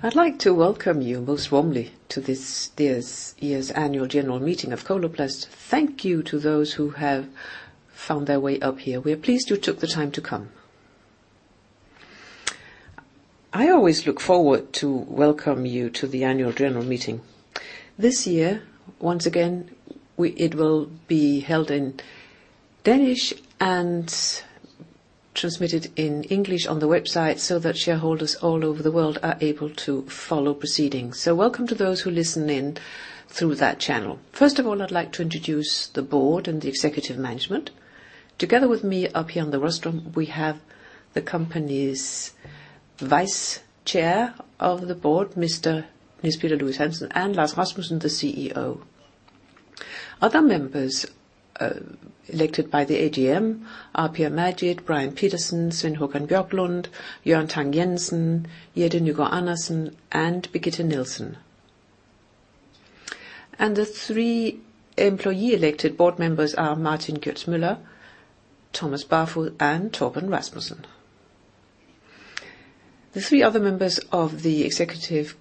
I'd like to welcome you most warmly to this year's Annual General Meeting of Coloplast. Thank you to those who have found their way up here. We are pleased you took the time to come. I always look forward to welcome you to the Annual General Meeting. This year, once again, it will be held in Danish and transmitted in English on the website, so that shareholders all over the world are able to follow proceedings. Welcome to those who listen in through that channel. First of all, I'd like to introduce the board and the executive management. Together with me up here on the rostrum, we have the company's Vice Chair of the Board, Mr. Niels Peter Louis-Hansen, and Lars Rasmussen, the CEO. Other members elected by the AGM are Per Magid, Brian Petersen, Sven Håkan Björklund, Jørgen Tang-Jensen, Jette Nygaard-Andersen, and Birgitte Nielsen. The three employee-elected board members are Martin Gjørtz Müller, Thomas Barfod, and Thomas Barfod. The three other members of the executive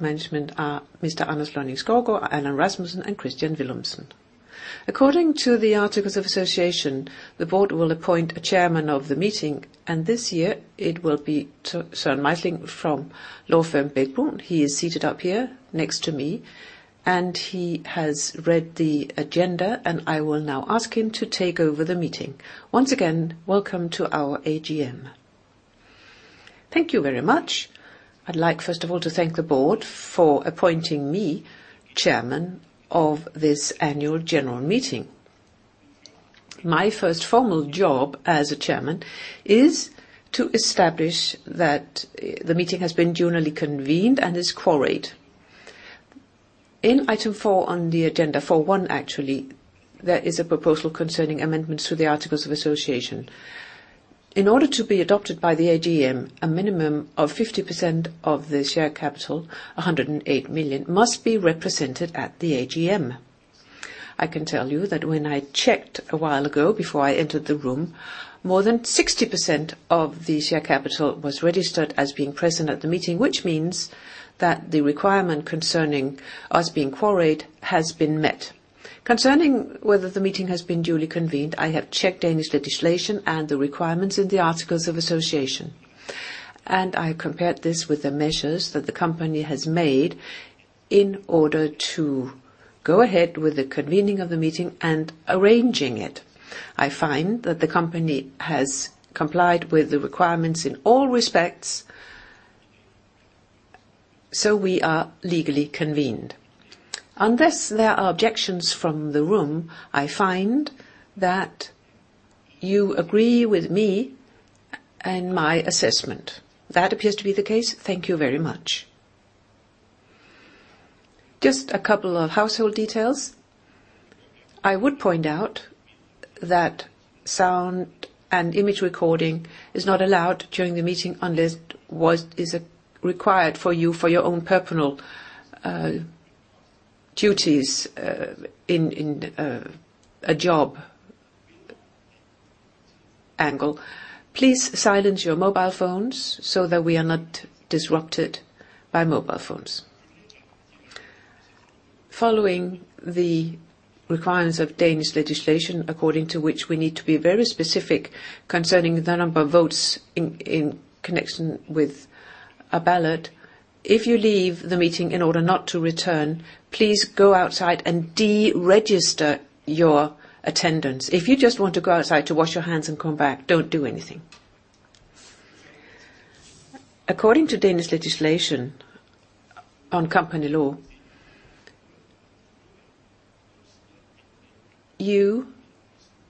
management are Mr. Anders Lonning-Skovgaard, Allan Rasmussen, and Kristian Villumsen. According to the Articles of Association, the board will appoint a chairman of the meeting. This year it will be Søren Meisling from law firm Bech-Bruun. He is seated up here next to me, and he has read the agenda, and I will now ask him to take over the meeting. Once again, welcome to our AGM. Thank you very much. I'd like, first of all, to thank the board for appointing me chairman of this annual general meeting. My first formal job as a chairman is to establish that the meeting has been duly convened and is quoried. In item 4 on the agenda, 4.1, actually, there is a proposal concerning amendments to the Articles of Association. In order to be adopted by the AGM, a minimum of 50% of the share capital, 108 million, must be represented at the AGM. I can tell you that when I checked a while ago, before I entered the room, more than 60% of the share capital was registered as being present at the meeting, which means that the requirement concerning us being quoried has been met. Concerning whether the meeting has been duly convened, I have checked Danish legislation and the requirements in the Articles of Association, and I compared this with the measures that the company has made in order to go ahead with the convening of the meeting and arranging it. I find that the company has complied with the requirements in all respects, so we are legally convened. Unless there are objections from the room, I find that you agree with me and my assessment. That appears to be the case. Thank you very much. Just a couple of household details. I would point out that sound and image recording is not allowed during the meeting, unless it is required for you, for your own personal duties, in, a job angle. Please silence your mobile phones so that we are not disrupted by mobile phones. Following the requirements of Danish legislation, according to which we need to be very specific concerning the number of votes in connection with a ballot, if you leave the meeting in order not to return, please go outside and deregister your attendance. If you just want to go outside to wash your hands and come back, don't do anything. According to Danish legislation on company law, you,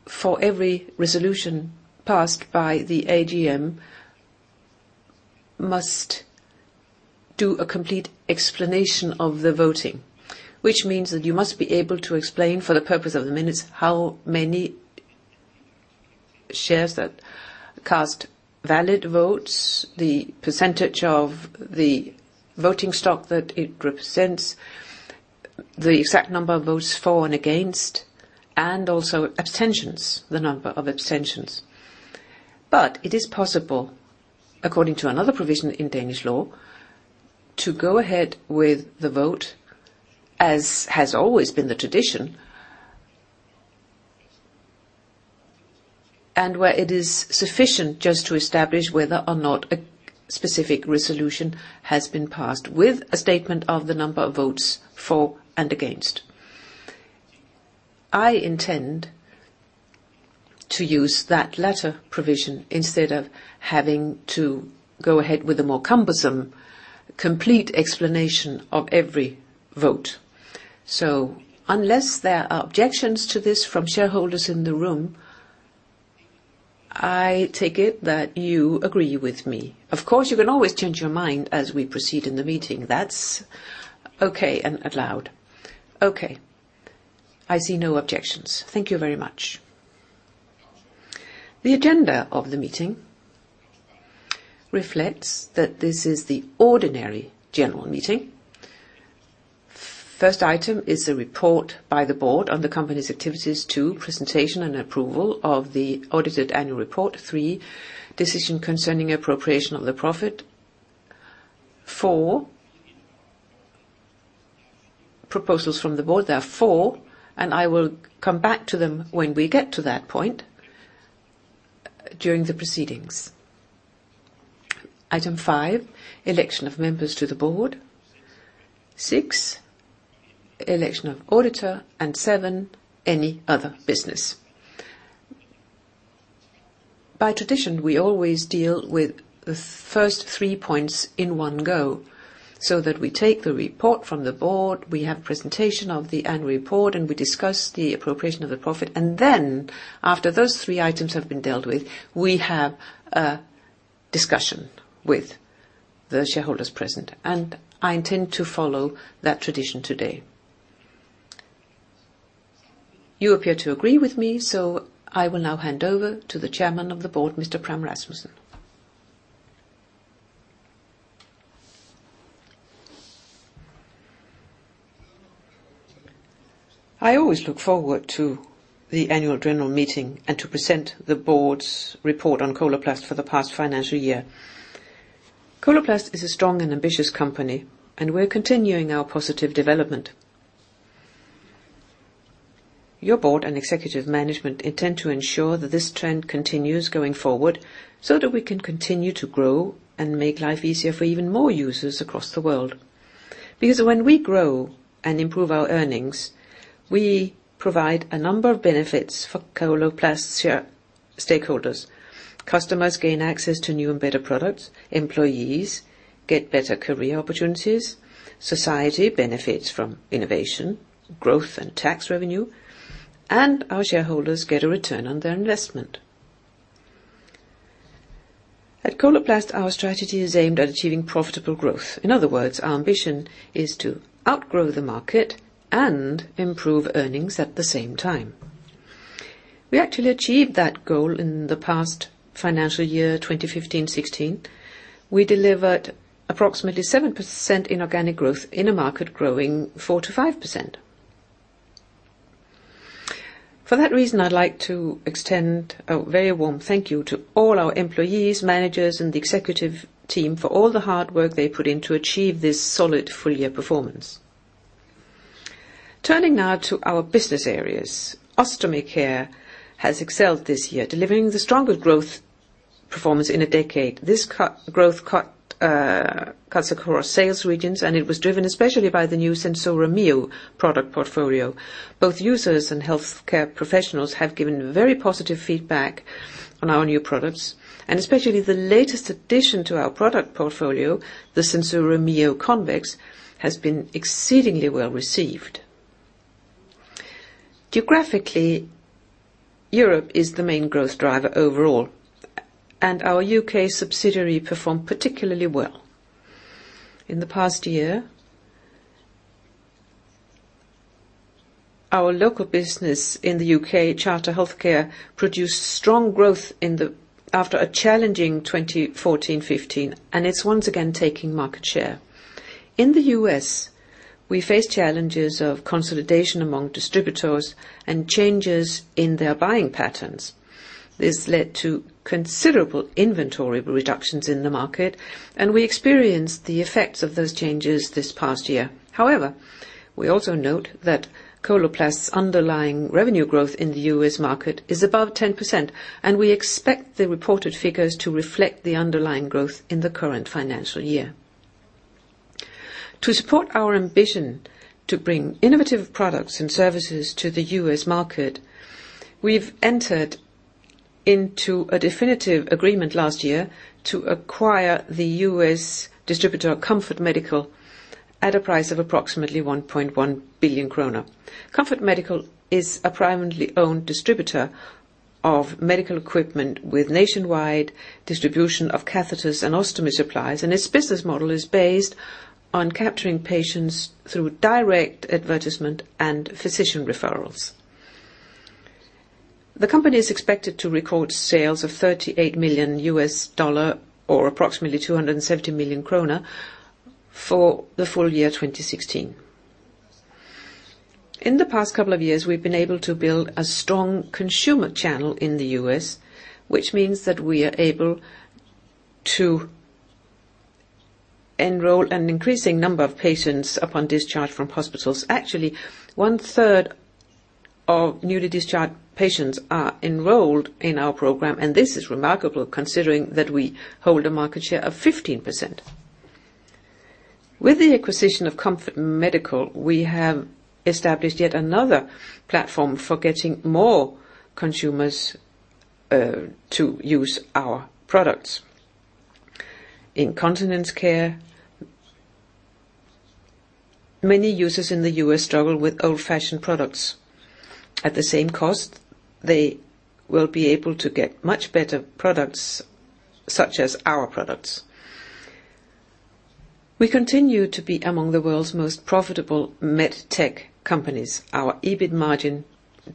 for every resolution passed by the AGM, must do a complete explanation of the voting, which means that you must be able to explain, for the purpose of the minutes, how many shares that cast valid votes, the percentage of the voting stock that it represents, the exact number of votes for and against, and also abstentions, the number of abstentions. It is possible, according to another provision in Danish law, to go ahead with the vote, as has always been the tradition. Where it is sufficient, just to establish whether or not a specific resolution has been passed, with a statement of the number of votes for and against. I intend to use that latter provision instead of having to go ahead with a more cumbersome, complete explanation of every vote. Unless there are objections to this from shareholders in the room, I take it that you agree with me. Of course, you can always change your mind as we proceed in the meeting. That's okay and allowed. Okay. I see no objections. Thank you very much. The agenda of the meeting reflects that this is the ordinary general meeting. First item is a report by the board on the company's activities. Two, presentation and approval of the audited annual report. Three, decision concerning appropriation of the profit. Four, proposals from the board. There are four, I will come back to them when we get to that point during the proceedings. Item five, election of members to the board. Six, election of auditor, and seven, any other business. By tradition, we always deal with the first three points in one go, so that we take the report from the board, we have presentation of the annual report, and we discuss the appropriation of the profit. After those 3 items have been dealt with, we have a discussion with the shareholders present, and I intend to follow that tradition today. You appear to agree with me, I will now hand over to the Chairman of the Board, Mr. Michael Pram Rasmussen. I always look forward to the annual general meeting and to present the board's report on Coloplast for the past financial year. Coloplast is a strong and ambitious company, and we're continuing our positive development. Your board and executive management intend to ensure that this trend continues going forward, we can continue to grow and make life easier for even more users across the world. When we grow and improve our earnings, we provide a number of benefits for Coloplast shareholders. Customers gain access to new and better products, employees get better career opportunities, society benefits from innovation, growth, and tax revenue, our shareholders get a return on their investment. At Coloplast, our strategy is aimed at achieving profitable growth. In other words, our ambition is to outgrow the market and improve earnings at the same time. We actually achieved that goal in the past financial year, 2015, 2016. We delivered approximately 7% in organic growth in a market growing 4%-5%. For that reason, I'd like to extend a very warm thank you to all our employees, managers, and the executive team for all the hard work they put in to achieve this solid full year performance. Turning now to our business areas. Ostomy Care has excelled this year, delivering the strongest growth performance in a decade. growth cuts across sales regions, and it was driven especially by the new SenSura Mio product portfolio. Both users and healthcare professionals have given very positive feedback on our new products, and especially the latest addition to our product portfolio, the SenSura Mio Convex, has been exceedingly well-received. Geographically, Europe is the main growth driver overall, and our UK subsidiary performed particularly well. In the past year, our local business in the U.K., Coloplast Charter, produced strong growth after a challenging 2014, 2015. It's once again taking market share. In the U.S., we face challenges of consolidation among distributors and changes in their buying patterns. This led to considerable inventory reductions in the market. We experienced the effects of those changes this past year. However, we also note that Coloplast's underlying revenue growth in the U.S. market is above 10%. We expect the reported figures to reflect the underlying growth in the current financial year. To support our ambition to bring innovative products and services to the U.S. market, we've entered into a definitive agreement last year to acquire the U.S. distributor, Comfort Medical, at a price of approximately 1.1 billion krone. Comfort Medical is a privately owned distributor of medical equipment with nationwide distribution of catheters and ostomy supplies, and its business model is based on capturing patients through direct advertisement and physician referrals. The company is expected to record sales of $38 million or approximately 270 million kroner for the full year 2016. In the past couple of years, we've been able to build a strong consumer channel in the U.S., which means that we are able to enroll an increasing number of patients upon discharge from hospitals. Actually, 1/3 of newly discharged patients are enrolled in our program, and this is remarkable, considering that we hold a market share of 15%. With the acquisition of Comfort Medical, we have established yet another platform for getting more consumers to use our products. In Continence Care, many users in the U.S. struggle with old-fashioned products. At the same cost, they will be able to get much better products, such as our products. We continue to be among the world's most profitable MedTech companies. Our EBIT margin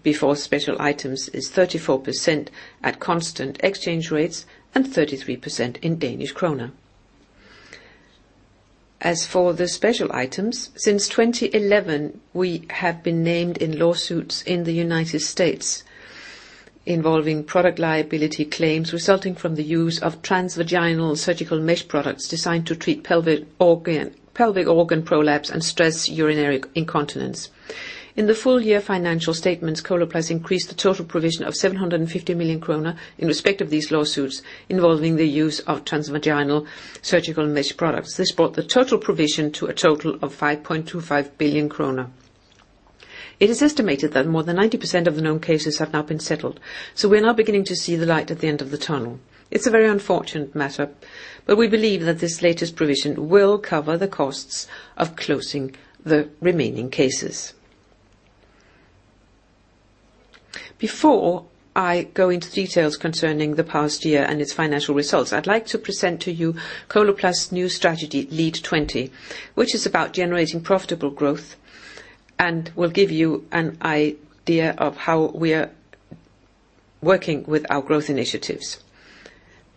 before special items is 34% at constant exchange rates, and 33% in DKK. As for the special items, since 2011, we have been named in lawsuits in the United States, involving product liability claims resulting from the use of transvaginal surgical mesh products designed to treat pelvic organ prolapse and stress urinary incontinence. In the full year financial statements, Coloplast increased the total provision of 750 million kroner in respect of these lawsuits, involving the use of transvaginal surgical mesh products. This brought the total provision to a total of 5.25 billion kroner. It is estimated that more than 90% of the known cases have now been settled, so we are now beginning to see the light at the end of the tunnel. It's a very unfortunate matter, but we believe that this latest provision will cover the costs of closing the remaining cases. Before I go into details concerning the past year and its financial results, I'd like to present to you Coloplast's new strategy, LEAD 20, which is about generating profitable growth and will give you an idea of how we are working with our growth initiatives.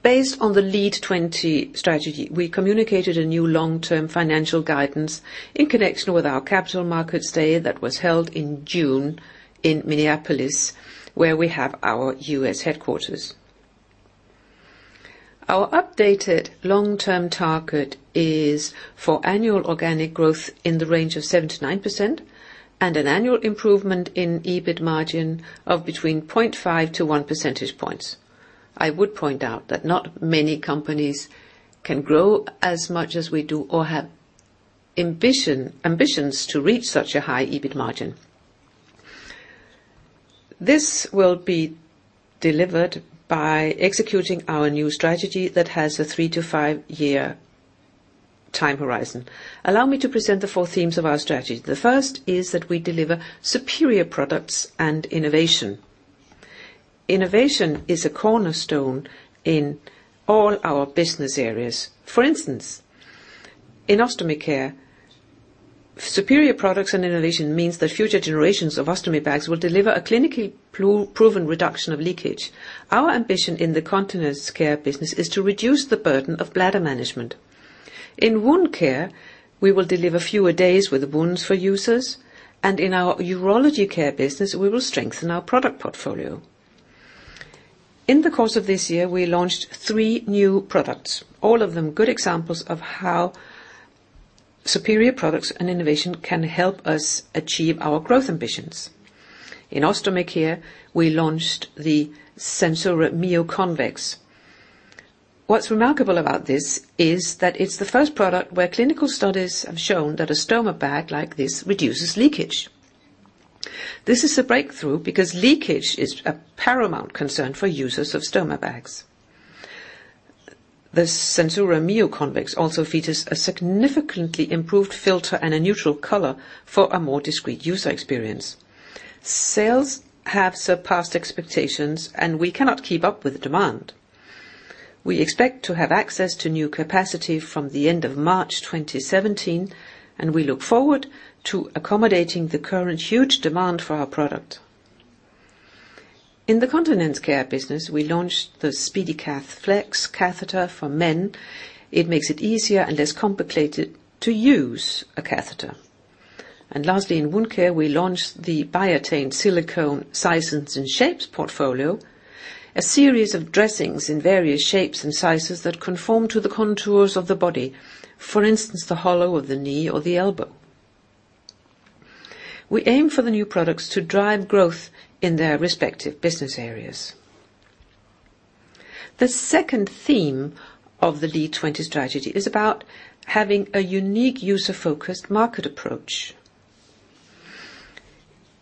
Based on the LEAD 20 strategy, we communicated a new long-term financial guidance in connection with our capital markets day that was held in June in Minneapolis, where we have our U.S. headquarters. Our updated long-term target is for annual organic growth in the range of 7% to 9%, and an annual improvement in EBIT margin of between 0.5-1 percentage points. I would point out that not many companies can grow as much as we do or have ambitions to reach such a high EBIT margin. This will be delivered by executing our new strategy that has a three to five-year time horizon. Allow me to present the 4 themes of our strategy. The first is that we deliver superior products and innovation. Innovation is a cornerstone in all our business areas. For instance, in Ostomy Care, superior products and innovation means that future generations of ostomy bags will deliver a clinically proven reduction of leakage. Our ambition in the Continence Care business is to reduce the burden of bladder management. In Wound Care, we will deliver fewer days with wounds for users, and in our Urology Care business, we will strengthen our product portfolio. In the course of this year, we launched three new products, all of them good examples of how superior products and innovation can help us achieve our growth ambitions. In Ostomy Care, we launched the SenSura Mio Convex. What's remarkable about this is that it's the first product where clinical studies have shown that a stoma bag like this reduces leakage. This is a breakthrough because leakage is a paramount concern for users of stoma bags. The SenSura Mio Convex also features a significantly improved filter and a neutral color for a more discreet user experience. Sales have surpassed expectations, and we cannot keep up with the demand. We expect to have access to new capacity from the end of March 2017, and we look forward to accommodating the current huge demand for our product. In the Continence Care business, we launched the SpeediCath Flex catheter for men. It makes it easier and less complicated to use a catheter. Lastly, in Wound Care, we launched the Biatain Silicone Sizes and Shapes portfolio, a series of dressings in various shapes and sizes that conform to the contours of the body. For instance, the hollow of the knee or the elbow. We aim for the new products to drive growth in their respective business areas. The second theme of the LEAD 20 strategy is about having a unique user-focused market approach.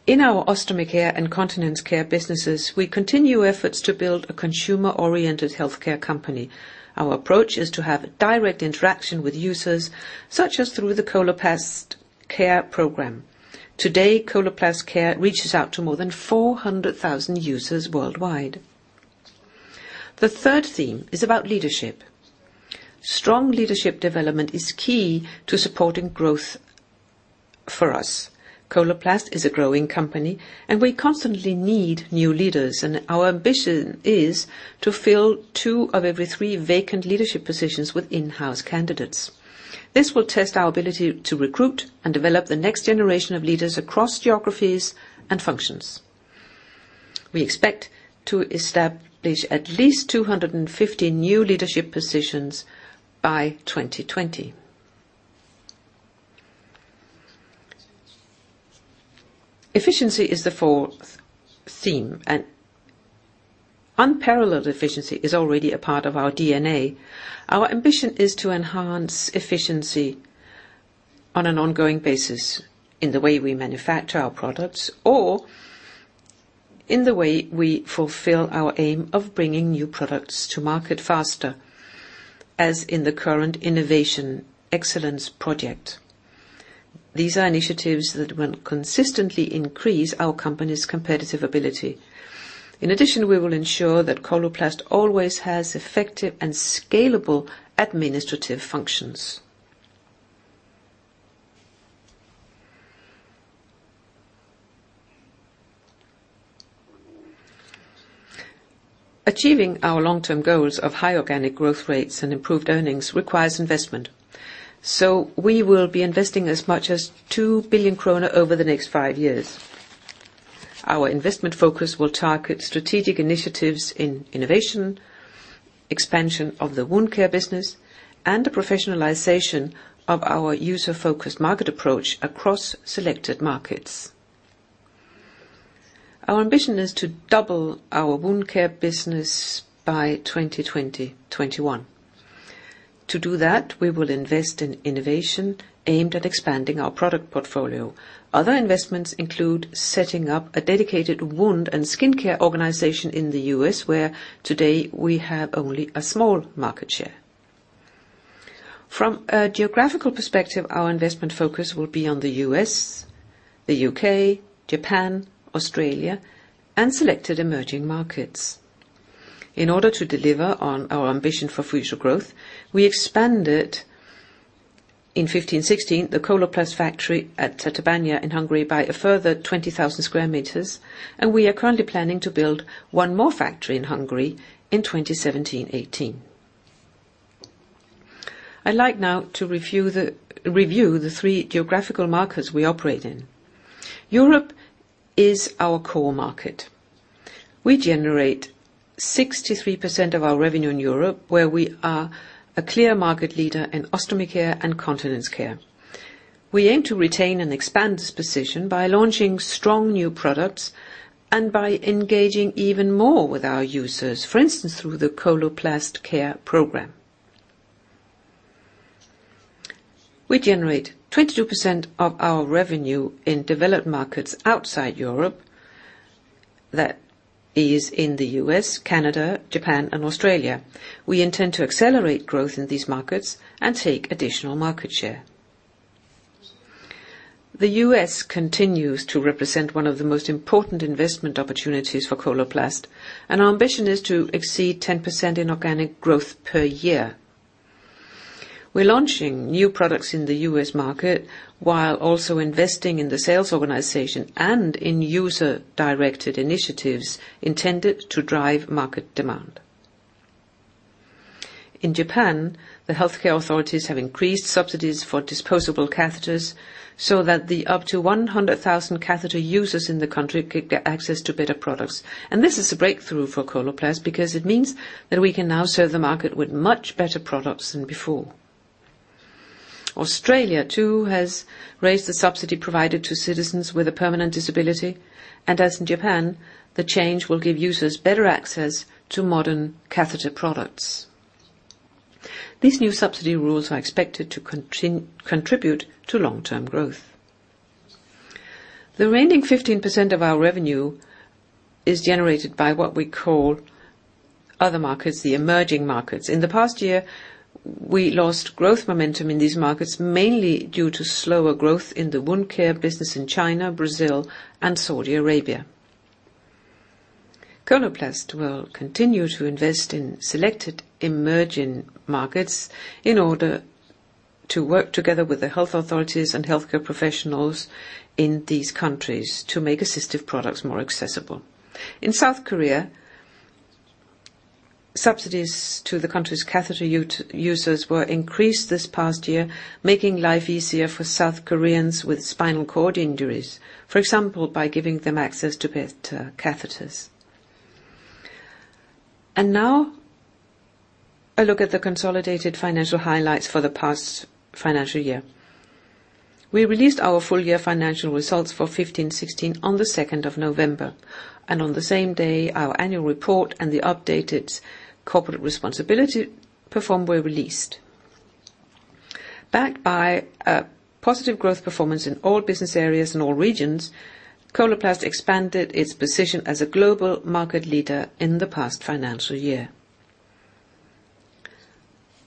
In our Ostomy Care and Continence Care businesses, we continue efforts to build a consumer-oriented healthcare company. Our approach is to have direct interaction with users, such as through the Coloplast Care program. Today, Coloplast Care reaches out to more than 400,000 users worldwide. The third theme is about leadership. Strong leadership development is key to supporting growth for us. Coloplast is a growing company, and we constantly need new leaders, and our ambition is to fill two of every three vacant leadership positions with in-house candidates. This will test our ability to recruit and develop the next generation of leaders across geographies and functions. We expect to establish at least 250 new leadership positions by 2020. Efficiency is the fourth theme, and unparalleled efficiency is already a part of our DNA. Our ambition is to enhance efficiency on an ongoing basis in the way we manufacture our products, or in the way we fulfill our aim of bringing new products to market faster, as in the current Innovation Excellence project. These are initiatives that will consistently increase our company's competitive ability. In addition, we will ensure that Coloplast always has effective and scalable administrative functions.... Achieving our long-term goals of high organic growth rates and improved earnings requires investment. We will be investing as much as 2 billion kroner over the next five years. Our investment focus will target strategic initiatives in innovation, expansion of the Wound Care business, and the professionalization of our user-focused market approach across selected markets. Our ambition is to double our Wound Care business by 2020, 2021. To do that, we will invest in innovation aimed at expanding our product portfolio. Other investments include setting up a dedicated Wound & Skin Care organization in the U.S., where today we have only a small market share. From a geographical perspective, our investment focus will be on the U.S., the U.K., Japan, Australia, and selected emerging markets. In order to deliver on our ambition for future growth, we expanded, in 2015, 2016, the Coloplast factory at Tatabánya in Hungary by a further 20,000 square meters. We are currently planning to build one more factory in Hungary in 2017, 2018. I'd like now to review the three geographical markets we operate in. Europe is our core market. We generate 63% of our revenue in Europe, where we are a clear market leader in Ostomy Care and Continence Care. We aim to retain and expand this position by launching strong new products and by engaging even more with our users, for instance, through the Coloplast Care program. We generate 22% of our revenue in developed markets outside Europe. That is in the U.S., Canada, Japan, and Australia. We intend to accelerate growth in these markets and take additional market share. The U.S. continues to represent one of the most important investment opportunities for Coloplast, and our ambition is to exceed 10% in organic growth per year. We're launching new products in the U.S. market, while also investing in the sales organization and in user-directed initiatives intended to drive market demand. In Japan, the healthcare authorities have increased subsidies for disposable catheters, so that the up to 100,000 catheter users in the country can get access to better products. This is a breakthrough for Coloplast because it means that we can now serve the market with much better products than before. Australia, too, has raised the subsidy provided to citizens with a permanent disability, and as in Japan, the change will give users better access to modern catheter products. These new subsidy rules are expected to contribute to long-term growth. The remaining 15% of our revenue is generated by what we call other markets, the emerging markets. In the past year, we lost growth momentum in these markets, mainly due to slower growth in the Wound Care business in China, Brazil, and Saudi Arabia. Coloplast will continue to invest in selected emerging markets in order to work together with the health authorities and healthcare professionals in these countries to make assistive products more accessible. In South Korea, subsidies to the country's catheter users were increased this past year, making life easier for South Koreans with spinal cord injuries, for example, by giving them access to better catheters. Now, a look at the consolidated financial highlights for the past financial year. We released our full year financial results for 2015, 2016 on the 2nd of November, and on the same day, our annual report and the updated corporate responsibility perform were released. Backed by a positive growth performance in all business areas in all regions, Coloplast expanded its position as a global market leader in the past financial year.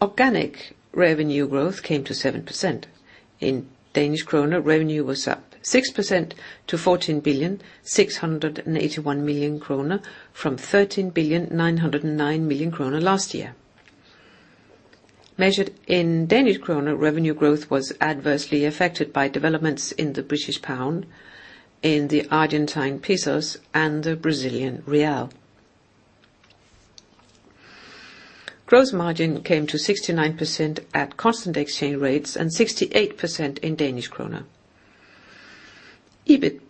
Organic revenue growth came to 7%. In DKK, revenue was up 6% to 14,681 million krone, from 13,909 million krone last year. Measured in DKK, revenue growth was adversely affected by developments in the British pound, in the Argentine pesos, and the Brazilian real. Gross margin came to 69% at constant exchange rates and 68% in DKK. EBIT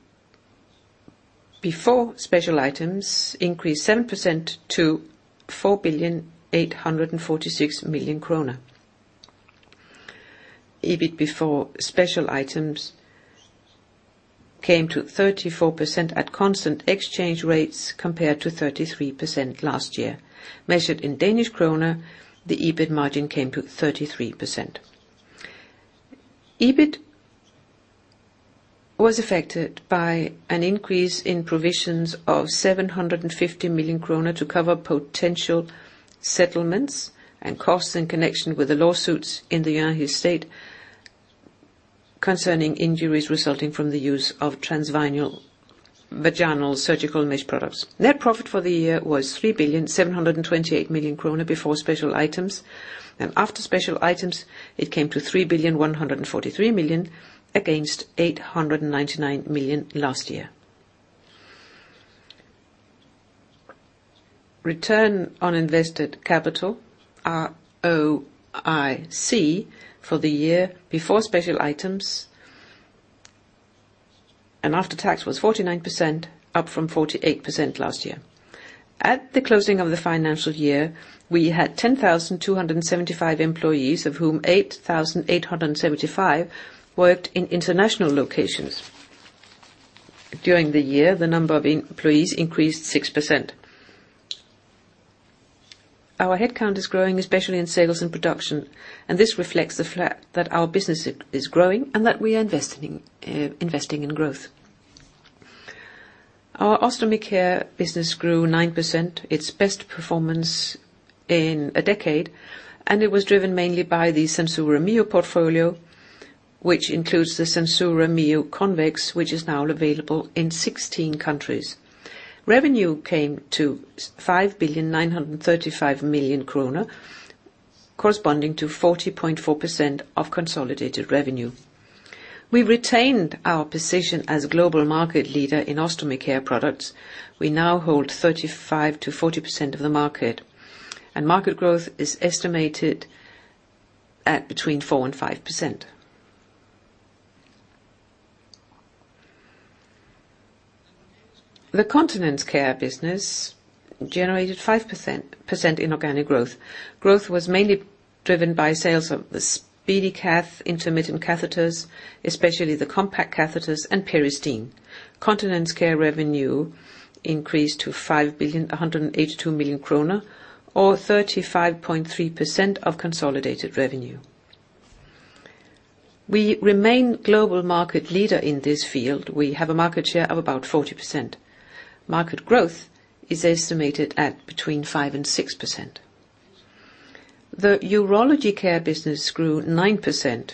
before special items increased 7% to 4,846 million kroner. EBIT before special items came to 34% at constant exchange rates compared to 33% last year. Measured in DKK, the EBIT margin came to 33%. EBIT was affected by an increase in provisions of 750 million kroner to cover potential settlements and costs in connection with the lawsuits in the United States concerning injuries resulting from the use of transvaginal surgical mesh products. Net profit for the year was 3,728 million kroner before special items. After special items, it came to 3,143 million, against 899 million last year. Return on Invested Capital, ROIC, for the year before special items and after tax was 49%, up from 48% last year. At the closing of the financial year, we had 10,275 employees, of whom 8,875 worked in international locations. During the year, the number of employees increased 6%. Our headcount is growing, especially in sales and production. This reflects the fact that our business is growing and that we are investing in growth. Our Ostomy Care business grew 9%, its best performance in a decade. It was driven mainly by the SenSura Mio portfolio, which includes the SenSura Mio Convex, which is now available in 16 countries. Revenue came to 5,935 million kroner, corresponding to 40.4% of consolidated revenue. We retained our position as global market leader in Ostomy Care products. We now hold 35%-40% of the market, and market growth is estimated at between 4% and 5%. The Continence Care business generated 5% inorganic growth. Growth was mainly driven by sales of the SpeediCath intermittent catheters, especially the compact catheters and Peristeen. Continence Care revenue increased to 5,182 million krone or 35.3% of consolidated revenue. We remain global market leader in this field. We have a market share of about 40%. Market growth is estimated at between 5% and 6%. The Urology Care business grew 9%,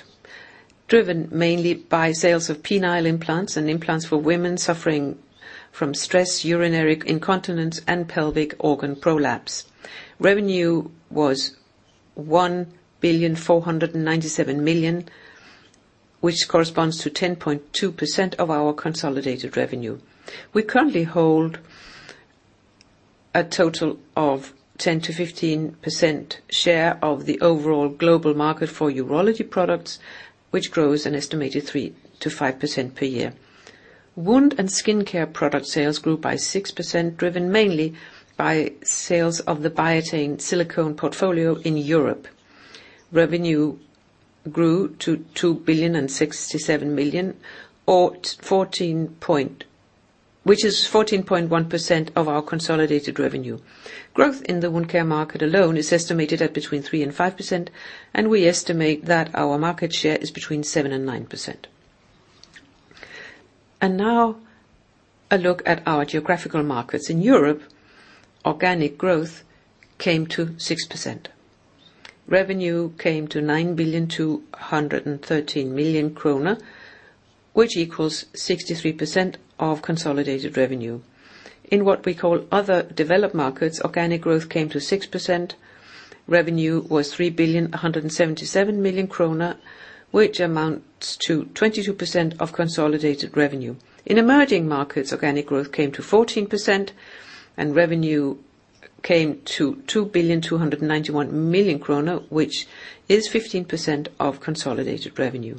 driven mainly by sales of penile implants and implants for women suffering from stress urinary incontinence and pelvic organ prolapse. Revenue was 1,497 million, which corresponds to 10.2% of our consolidated revenue. We currently hold a total of 10%-15% share of the overall global market for urology products, which grows an estimated 3%-5% per year. Wound & Skin Care product sales grew by 6%, driven mainly by sales of the Biatain Silicone portfolio in Europe. Revenue grew to 2,067 million, or 14.1% of our consolidated revenue. Growth in the Wound Care market alone is estimated at between 3%-5%, and we estimate that our market share is between 7%-9%. Now, a look at our geographical markets. In Europe, organic growth came to 6%. Revenue came to 9,213 million kroner, which equals 63% of consolidated revenue. In what we call other developed markets, organic growth came to 6%. Revenue was 3,177 million kroner, which amounts to 22% of consolidated revenue. In emerging markets, organic growth came to 14%, and revenue came to 2,291 million kroner, which is 15% of consolidated revenue.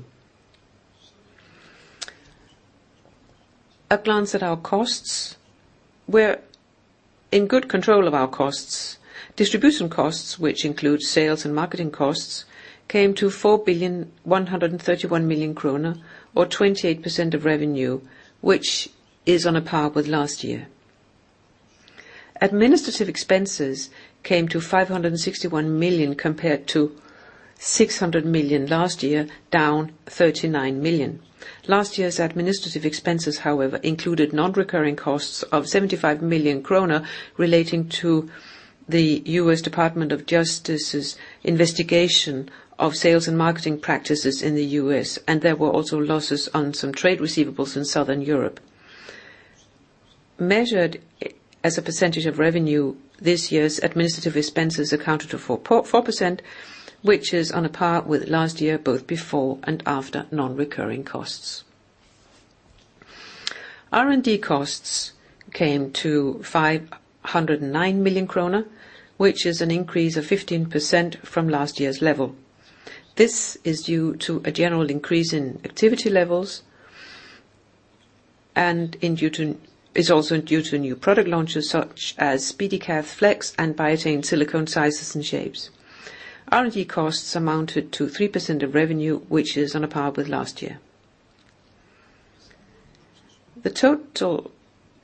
A glance at our costs. We're in good control of our costs. Distribution costs, which include sales and marketing costs, came to 4,131 million kroner, or 28% of revenue, which is on a par with last year. Administrative expenses came to 561 million, compared to 600 million last year, down 39 million. Last year's administrative expenses, however, included non-recurring costs of 75 million kroner relating to the U.S. Department of Justice's investigation of sales and marketing practices in the U.S., and there were also losses on some trade receivables in Southern Europe. Measured as a percentage of revenue, this year's administrative expenses accounted to 4.4%, which is on a par with last year, both before and after non-recurring costs. R&D costs came to 509 million krone, which is an increase of 15% from last year's level. This is due to a general increase in activity levels and is also due to new product launches, such as SpeediCath Flex and Biatain Silicone Sizes & Shapes. R&D costs amounted to 3% of revenue, which is on a par with last year. The total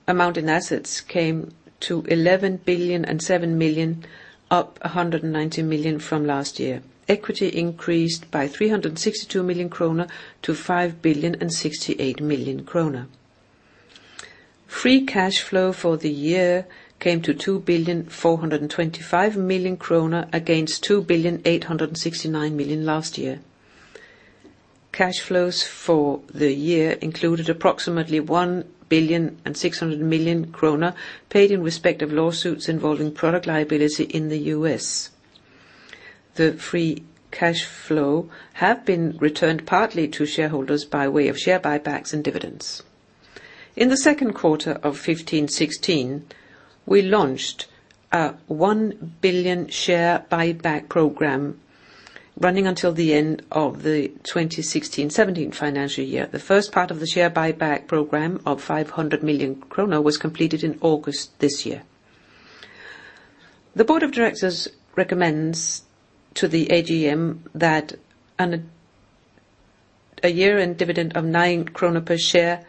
amount in assets came to 11,007 million, up 190 million from last year. Equity increased by 362 million kroner to 5,068 million kroner. Free cash flow for the year came to 2,425 million kroner, against 2,869 million last year. Cash flows for the year included approximately 1,600 million kroner, paid in respect of lawsuits involving product liability in the U.S. The free cash flow have been returned partly to shareholders by way of share buybacks and dividends. In the second quarter of 2015-2016, we launched a 1 billion share buyback program running until the end of the 2016-2017 financial year. The first part of the share buyback program of 500 million krone was completed in August this year. The board of directors recommends to the AGM that a year-end dividend of 9 krone per share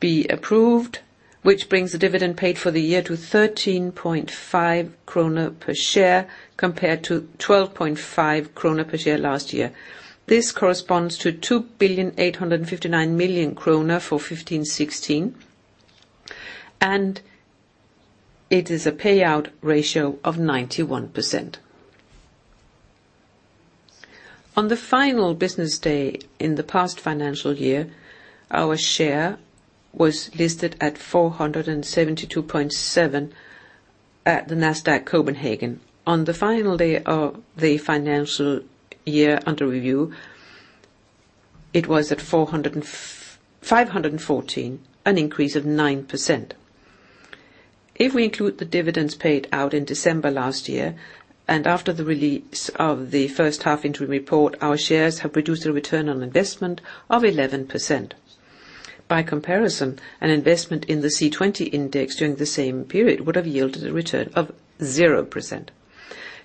be approved, which brings the dividend paid for the year to 13.5 krone per share, compared to 12.5 krone per share last year. This corresponds to 2,859 million krone for 2015-2016, and it is a payout ratio of 91%. On the final business day in the past financial year, our share was listed at 472.7 at the Nasdaq Copenhagen. On the final day of the financial year under review, it was at 514, an increase of 9%. If we include the dividends paid out in December last year, and after the release of the first half interim report, our shares have produced a return on investment of 11%. By comparison, an investment in the C20 index during the same period would have yielded a return of 0%.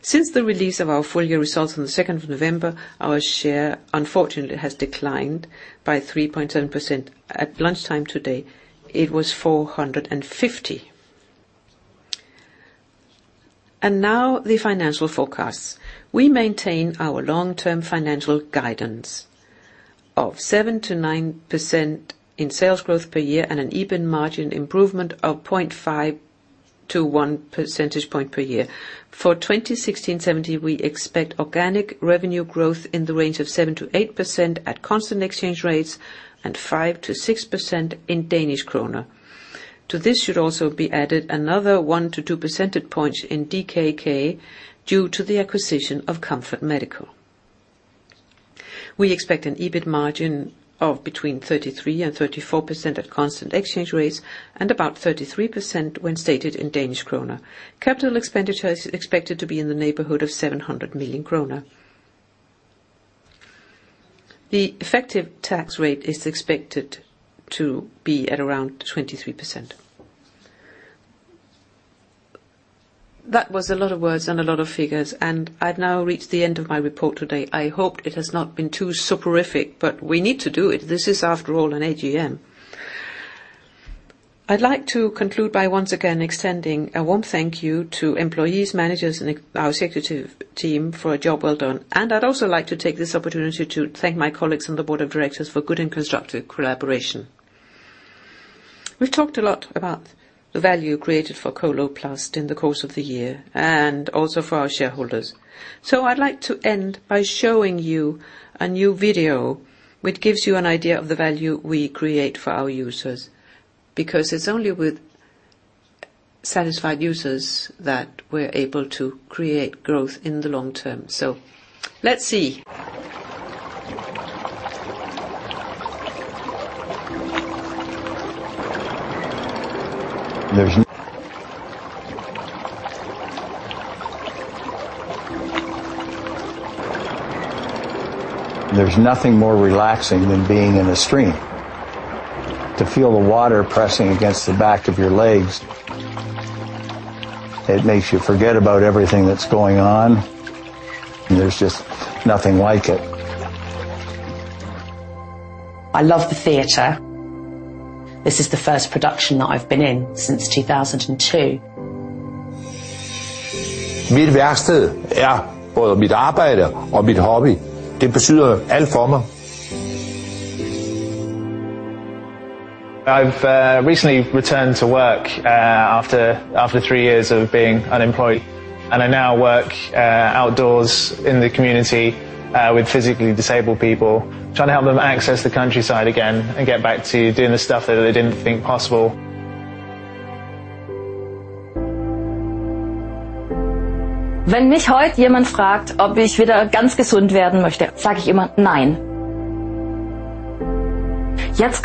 Since the release of our full-year results on the second of November, our share unfortunately has declined by 3.7%. At lunchtime today, it was 450. Now the financial forecasts. We maintain our long-term financial guidance of 7%-9% in sales growth per year and an EBIT margin improvement of 0.5-1 percentage point per year. For 2016-2017, we expect organic revenue growth in the range of 7%-8% at constant exchange rates and 5%-6% in DKK. To this should also be added another 1-2 percentage points in DKK due to the acquisition of Comfort Medical. We expect an EBIT margin of between 33% and 34% at constant exchange rates and about 33% when stated in DKK. Capital expenditure is expected to be in the neighborhood of 700 million kroner. The effective tax rate is expected to be at around 23%. That was a lot of words and a lot of figures. I've now reached the end of my report today. I hope it has not been too soporific, but we need to do it. This is, after all, an AGM. I'd like to conclude by once again extending a warm thank you to employees, managers, and ex- our executive team for a job well done. I'd also like to take this opportunity to thank my colleagues on the board of directors for good and constructive collaboration. We've talked a lot about the value created for Coloplast in the course of the year and also for our shareholders. I'd like to end by showing you a new video, which gives you an idea of the value we create for our users, because it's only with satisfied users that we're able to create growth in the long term. Let's see. There's nothing more relaxing than being in a stream. To feel the water pressing against the back of your legs, it makes you forget about everything that's going on, there's just nothing like it. I love the theater. This is the first production that I've been in since 2002. My workshop is both my work and my hobby. It means everything to me. I've recently returned to work after three years of being unemployed, and I now work outdoors in the community with physically disabled people, trying to help them access the countryside again and get back to doing the stuff that they didn't think possible. If someone asks me today whether I want to be completely healthy again, I always say, "No." Now I can just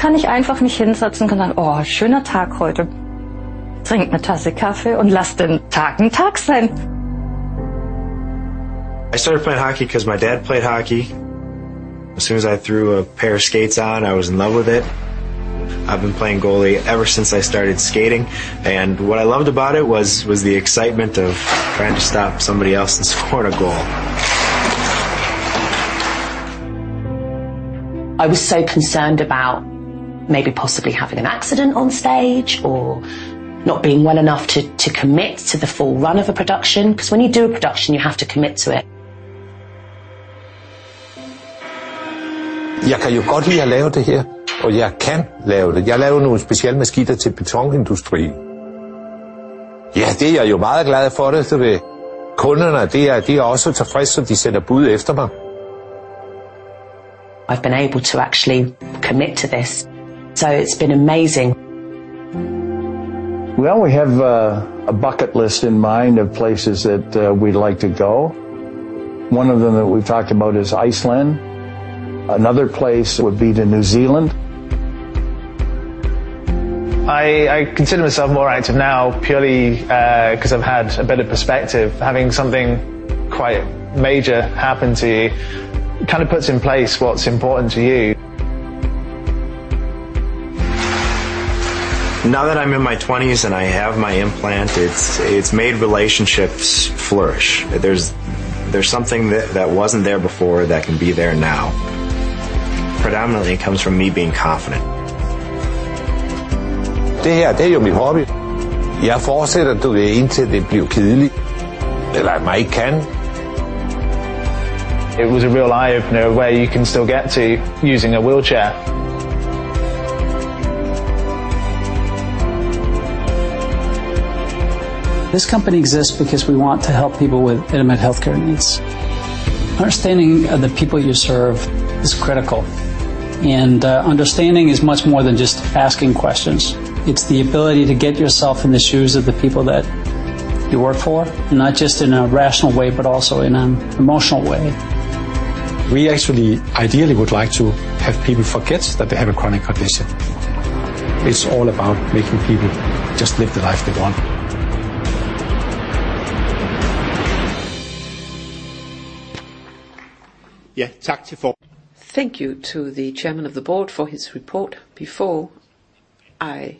sit down and go, "Oh, beautiful day today," have a cup of coffee, and let the day be a day. I started playing hockey 'cause my dad played hockey. As soon as I threw a pair of skates on, I was in love with it. I've been playing goalie ever since I started skating, and what I loved about it was the excitement of trying to stop somebody else from scoring a goal. I was so concerned about maybe possibly having an accident on stage or not being well enough to commit to the full run of a production, 'cause when you do a production, you have to commit to it. I really enjoy doing this, and I can do it. I make special machines for the concrete industry....Ja, det er jeg jo meget glad for, at kunderne de er, de er også tilfredse, de sender bud efter mig. I've been able to actually commit to this, so it's been amazing. We have a bucket list in mind of places that we'd like to go. One of them that we've talked about is Iceland. Another place would be to New Zealand. I consider myself more active now, purely, 'cause I've had a better perspective. Having something quite major happen to you, kind of puts in place what's important to you. Now that I'm in my twenties and I have my implant, it's made relationships flourish. There's something that wasn't there before that can be there now. Predominantly, it comes from me being confident. Det her, det er jo min hobby. Jeg fortsætter da, indtil det bliver kedeligt, eller jeg ikke kan. It was a real eye-opener where you can still get to using a wheelchair. This company exists because we want to help people with intimate healthcare needs. Understanding of the people you serve is critical, and understanding is much more than just asking questions. It's the ability to get yourself in the shoes of the people that you work for, not just in a rational way, but also in an emotional way. We actually, ideally would like to have people forget that they have a chronic heart disease. It's all about making people just live the life they want. Ja, tak til klap. Thank you to the chairman of the board for his report. Before I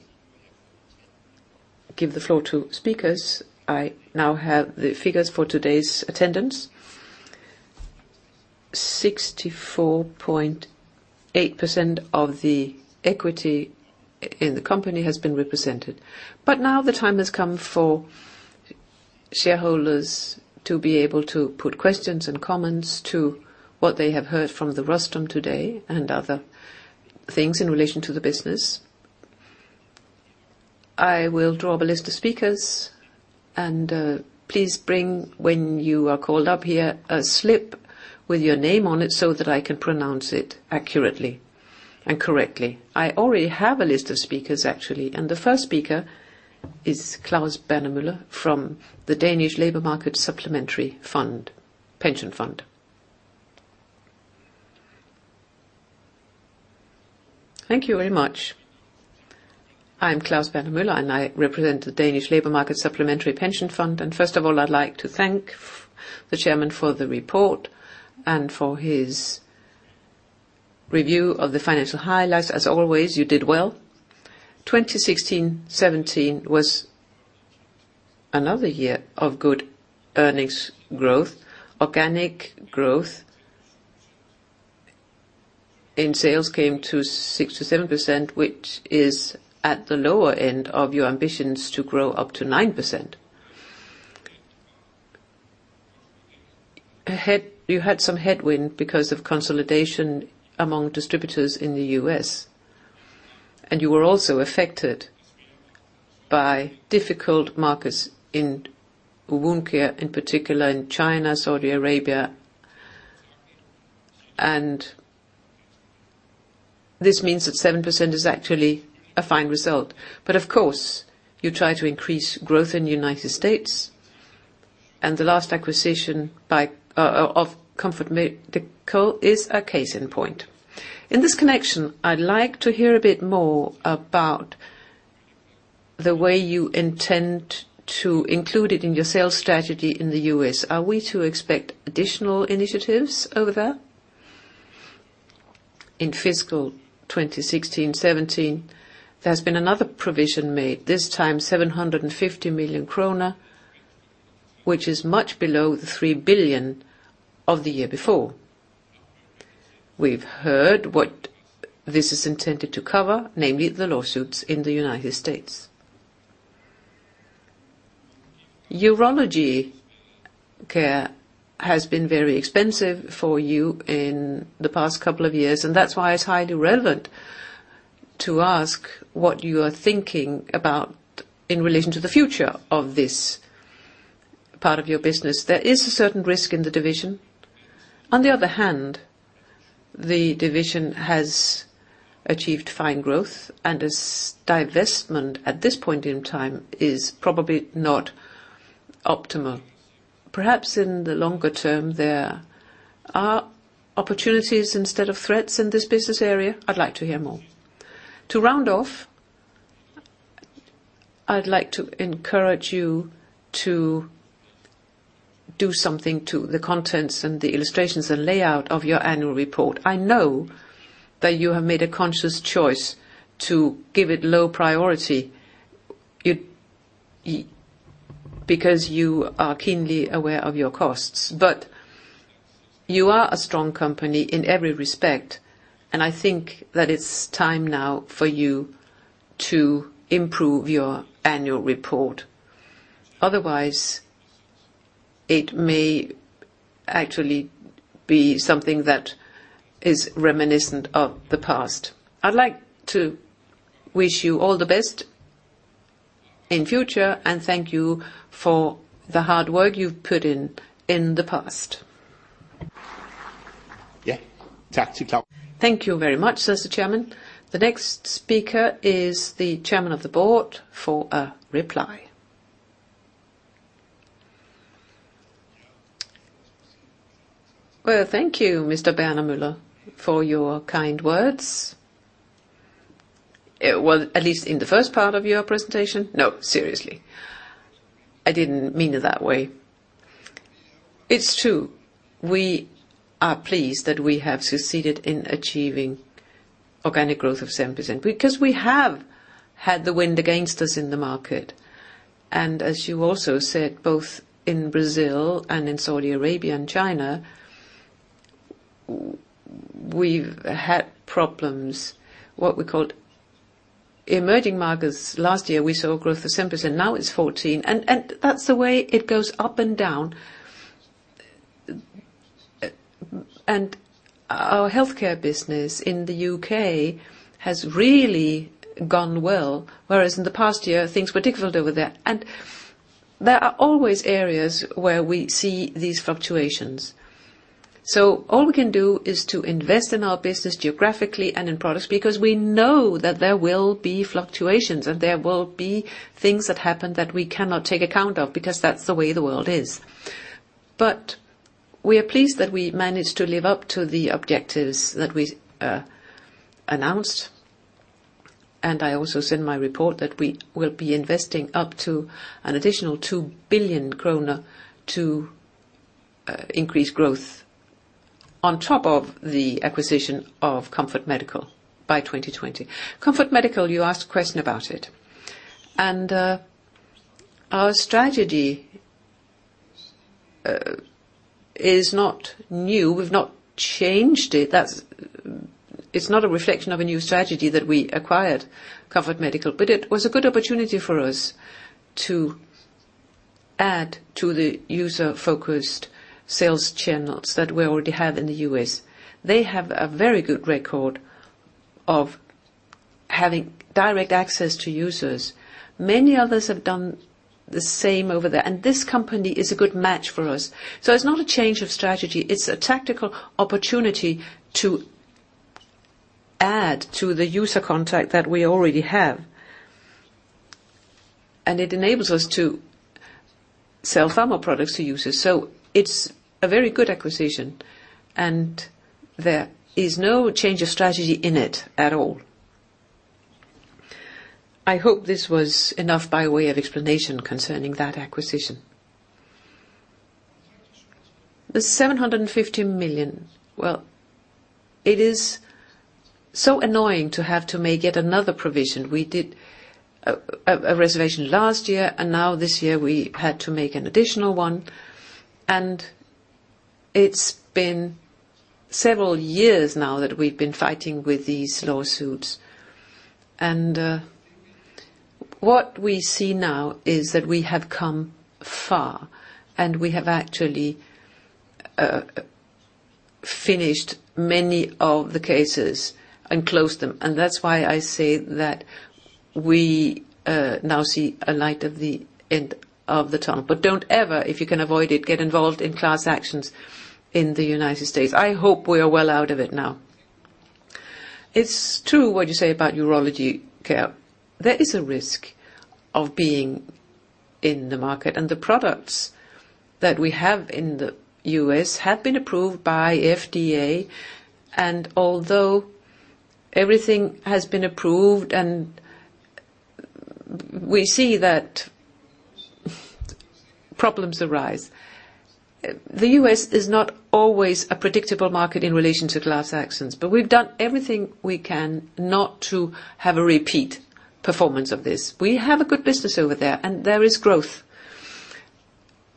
give the floor to speakers, I now have the figures for today's attendance. 64.8% of the equity in the company has been represented. Now the time has come for shareholders to be able to put questions and comments to what they have heard from the rostrum today and other things in relation to the business. I will draw up a list of speakers, please bring, when you are called up here, a slip with your name on it so that I can pronounce it accurately and correctly. I already have a list of speakers, actually, the first speaker is Claus Berner Møller from the Danish Labour Market Supplementary Pension Fund. Thank you very much. I'm Claus Berner Møller, I represent the Danish Labour Market Supplementary Pension Fund. First of all, I'd like to thank the chairman for the report and for his review of the financial highlights. As always, you did well. 2016, 2017 was another year of good earnings growth. Organic growth in sales came to 6%-7%, which is at the lower end of your ambitions to grow up to 9%. You had some headwind because of consolidation among distributors in the US, and you were also affected by difficult markets in Wound Care, in particular in China, Saudi Arabia. This means that 7% is actually a fine result. Of course, you try to increase growth in the United States, and the last acquisition of Comfort Medical is a case in point. In this connection, I'd like to hear a bit more about the way you intend to include it in your sales strategy in the United States. Are we to expect additional initiatives over there? In fiscal 2016, 2017, there's been another provision made, this time 750 million kroner, which is much below the 3 billion of the year before. We've heard what this is intended to cover, namely, the lawsuits in the United States. Urology care has been very expensive for you in the past couple of years, and that's why it's highly relevant to ask what you are thinking about in relation to the future of this part of your business. There is a certain risk in the division. On the other hand, the division has achieved fine growth and as divestment at this point in time is probably not optimal. Perhaps in the longer term, there are opportunities instead of threats in this business area. I'd like to hear more. To round off, I'd like to encourage you to do something to the contents and the illustrations and layout of your annual report. I know that you have made a conscious choice to give it low priority. You because you are keenly aware of your costs, but you are a strong company in every respect, and I think that it's time now for you to improve your annual report. Otherwise. It may actually be something that is reminiscent of the past. I'd like to wish you all the best in future, and thank you for the hard work you've put in the past. Ja. Tak til klap. Thank you very much, Mr. Chairman. The next speaker is the Chairman of the Board for a reply. Well, thank you, Mr. Berner Møller, for your kind words. Well, at least in the first part of your presentation. Seriously, I didn't mean it that way. It's true, we are pleased that we have succeeded in achieving organic growth of 7%, because we have had the wind against us in the market. As you also said, both in Brazil and in Saudi Arabia and China, we've had problems, what we call emerging markets. Last year, we saw growth of 7%, now it's 14%, and that's the way it goes up and down. Our healthcare business in the U.K. has really gone well, whereas in the past year, things were difficult over there. There are always areas where we see these fluctuations. All we can do is to invest in our business, geographically and in products, because we know that there will be fluctuations, and there will be things that happen that we cannot take account of, because that's the way the world is. We are pleased that we managed to live up to the objectives that we announced. I also said in my report that we will be investing up to an additional 2 billion kroner to increase growth on top of the acquisition of Comfort Medical by 2020. Comfort Medical, you asked a question about it, our strategy is not new. We've not changed it. It's not a reflection of a new strategy that we acquired Comfort Medical, but it was a good opportunity for us to add to the user-focused sales channels that we already have in the U.S. They have a very good record of having direct access to users. Many others have done the same over there, this company is a good match for us. It's not a change of strategy, it's a tactical opportunity to add to the user contact that we already have. It enables us to sell pharma products to users, so it's a very good acquisition, and there is no change of strategy in it at all. I hope this was enough by way of explanation concerning that acquisition. The DKK 750 million. It is so annoying to have to make yet another provision. We did a reservation last year, and now this year, we had to make an additional one, and it's been several years now that we've been fighting with these lawsuits. What we see now is that we have come far, and we have actually finished many of the cases and closed them. That's why I say that we now see a light at the end of the tunnel. Don't ever, if you can avoid it, get involved in class actions in the United States. I hope we are well out of it now. It's true what you say about urology care. There is a risk of being in the market, and the products that we have in the U.S. have been approved by FDA. Although everything has been approved and we see that problems arise, the U.S. is not always a predictable market in relation to class actions, but we've done everything we can not to have a repeat performance of this. We have a good business over there, and there is growth.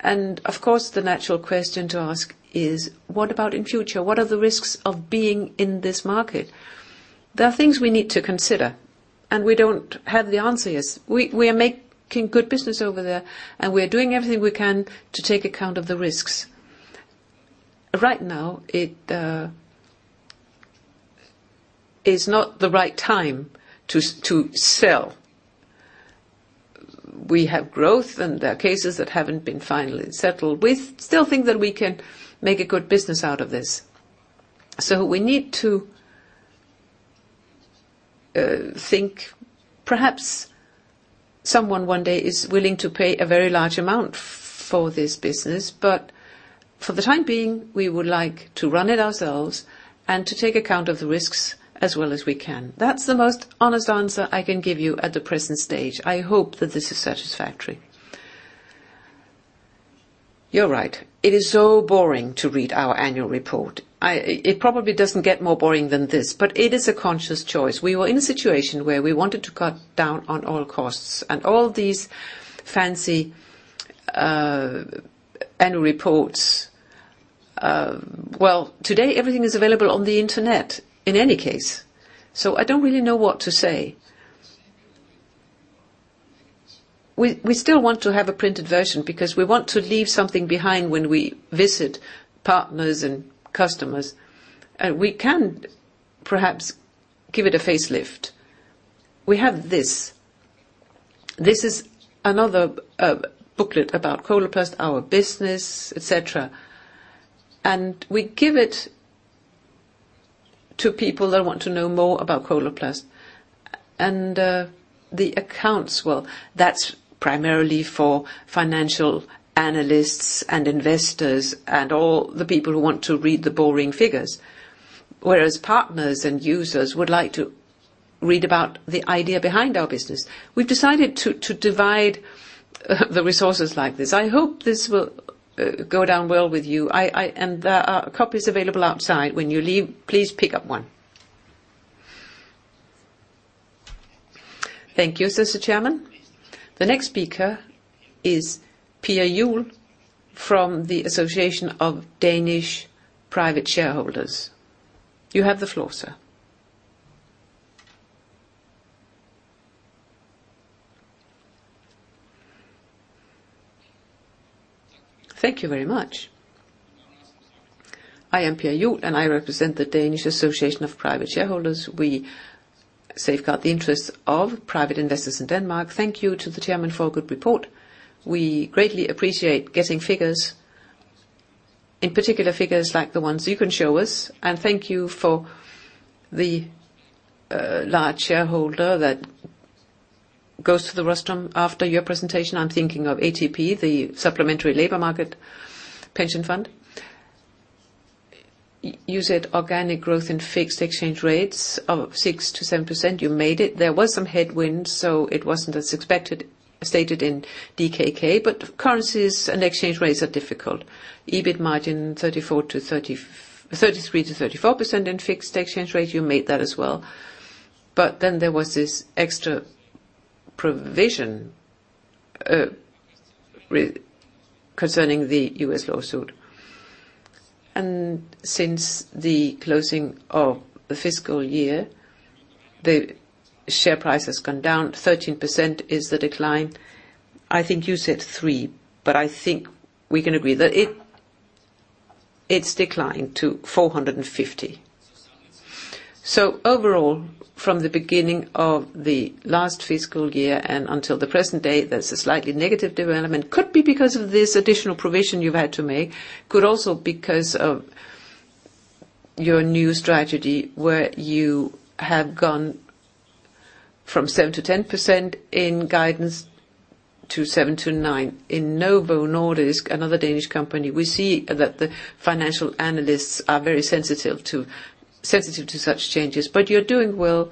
Of course, the natural question to ask is, what about in future? What are the risks of being in this market? There are things we need to consider, and we don't have the answer yet. We are making good business over there, and we are doing everything we can to take account of the risks. Right now, it is not the right time to sell. We have growth, and there are cases that haven't been finally settled. We still think that we can make a good business out of this. We need to think perhaps someone one day is willing to pay a very large amount for this business, but for the time being, we would like to run it ourselves and to take account of the risks as well as we can. That's the most honest answer I can give you at the present stage. I hope that this is satisfactory. You're right. It is so boring to read our annual report. It probably doesn't get more boring than this. It is a conscious choice. We were in a situation where we wanted to cut down on all costs and all these fancy annual reports. Today, everything is available on the internet, in any case. I don't really know what to say. We still want to have a printed version because we want to leave something behind when we visit partners and customers. We can perhaps give it a facelift. We have this. This is another booklet about Coloplast, our business, et cetera. We give it to people that want to know more about Coloplast. The accounts, well, that's primarily for financial analysts and investors, and all the people who want to read the boring figures. Whereas partners and users would like to read about the idea behind our business. We've decided to divide the resources like this. I hope this will go down well with you. There are copies available outside. When you leave, please pick up one. Thank you, says the chairman. The next speaker is Per Juul from the Association of Danish Private Shareholders. You have the floor, sir. Thank you very much. I am Per Juul, and I represent the Danish Association of Private Shareholders. We safeguard the interests of private investors in Denmark. Thank you to the chairman for a good report. We greatly appreciate getting figures, in particular, figures like the ones you can show us. Thank you for the large shareholder that goes to the restroom after your presentation. I'm thinking of ATP, the Supplementary Labour Market Pension Fund. You said organic growth in fixed exchange rates of 6%-7%. You made it. There was some headwinds, so it wasn't as expected, stated in DKK. Currencies and exchange rates are difficult. EBIT margin, 33%-34% in fixed exchange rates, you made that as well. Then there was this extra provision concerning the U.S. lawsuit. Since the closing of the fiscal year, the share price has gone down. 13% is the decline. I think you said 3%, I think we can agree that it's declined to 450. Overall, from the beginning of the last fiscal year and until the present day, there's a slightly negative development. Could be because of this additional provision you've had to make. Could also because of your new strategy, where you have gone from 7%-10% in guidance to 7%-9%. In Novo Nordisk, another Danish company, we see that the financial analysts are very sensitive to such changes. You're doing well.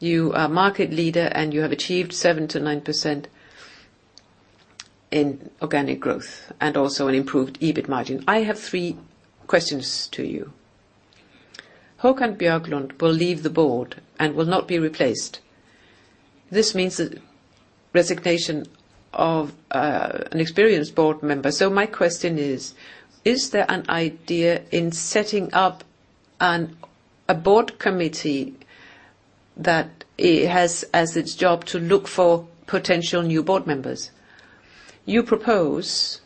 You are a market leader, and you have achieved 7%-9% in organic growth and also an improved EBIT margin. I have three questions to you. Håkan Björklund will leave the board and will not be replaced. This means the resignation of an experienced board member. My question is: Is there an idea in setting up a board committee that it has as its job to look for potential new board members? You propose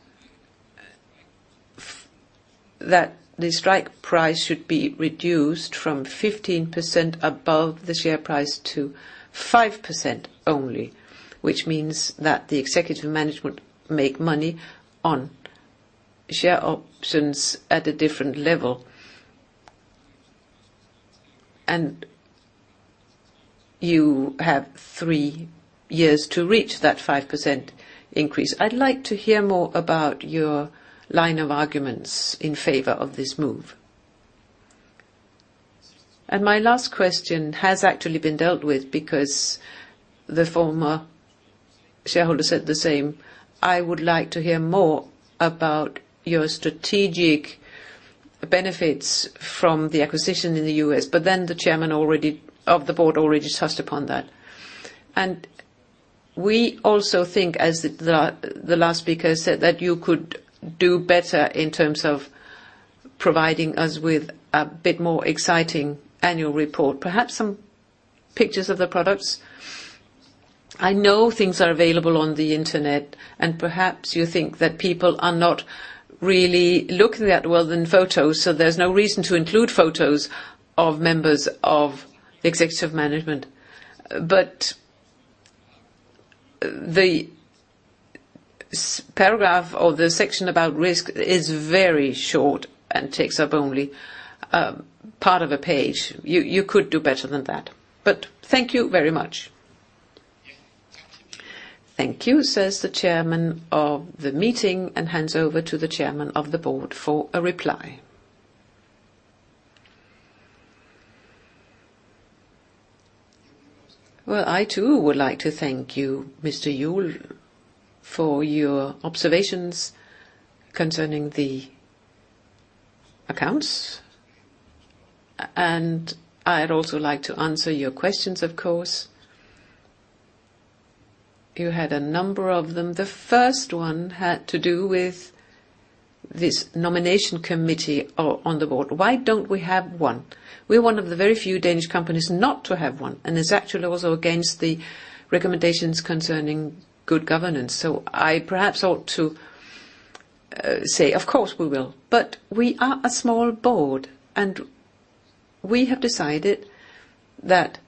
that the strike price should be reduced from 15% above the share price to 5% only, which means that the executive management make money on share options at a different level. You have three years to reach that 5% increase. I'd like to hear more about your line of arguments in favor of this move. My last question has actually been dealt with because the former shareholder said the same. I would like to hear more about your strategic benefits from the acquisition in the U.S., but then the Chairman of the Board already touched upon that. We also think, as the last speaker said, that you could do better in terms of providing us with a bit more exciting annual report, perhaps some pictures of the products. I know things are available on the Internet, and perhaps you think that people are not really looking that well in photos, so there's no reason to include photos of members of executive management. The paragraph or the section about risk is very short and takes up only part of a page. You could do better than that. Thank you very much. Thank you, says the chairman of the meeting, and hands over to the chairman of the board for a reply. I, too, would like to thank you, Mr. Juul, for your observations concerning the accounts, and I'd also like to answer your questions, of course. You had a number of them. The first one had to do with this nomination committee on the board. Why don't we have one? We're one of the very few Danish companies not to have one, and it's actually also against the recommendations concerning good governance. I perhaps ought to say, of course we will. We are a small board, and we have decided that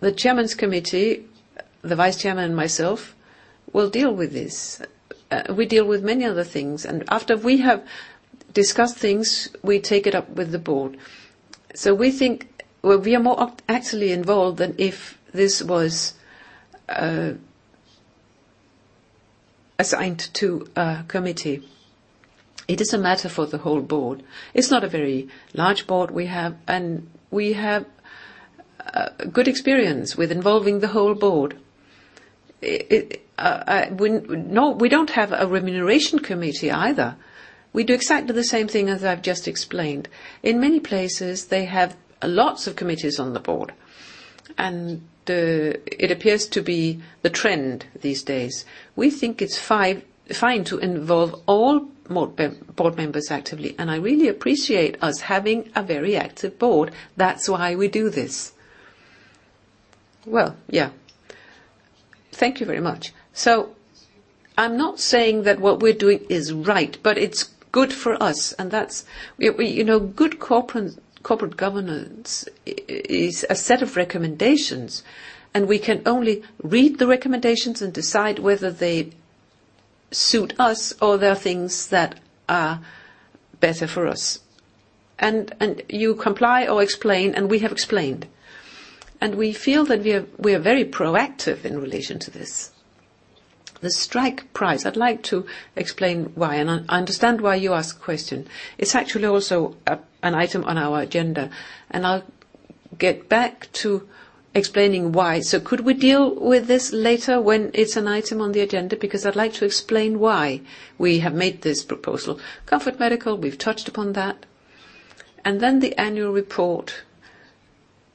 the chairman's committee, the vice chairman, and myself, will deal with this. We deal with many other things, and after we have discussed things, we take it up with the board. We think we are more actually involved than if this was assigned to a committee. It is a matter for the whole board. It's not a very large board we have, and we have good experience with involving the whole board. We don't have a remuneration committee either. We do exactly the same thing as I've just explained. In many places, they have lots of committees on the board, and it appears to be the trend these days. We think it's fine to involve all board members actively, and I really appreciate us having a very active board. That's why we do this. Well, yeah. Thank you very much. I'm not saying that what we're doing is right, but it's good for us, and that's... We, you know, good corporate governance is a set of recommendations, and we can only read the recommendations and decide whether they suit us or there are things that are better for us. You comply or explain, and we have explained, and we feel that we are very proactive in relation to this. The strike price. I'd like to explain why, and I understand why you ask the question. It's actually also an item on our agenda, and I'll get back to explaining why. Could we deal with this later when it's an item on the agenda? Because I'd like to explain why we have made this proposal. Comfort Medical, we've touched upon that, and then the annual report.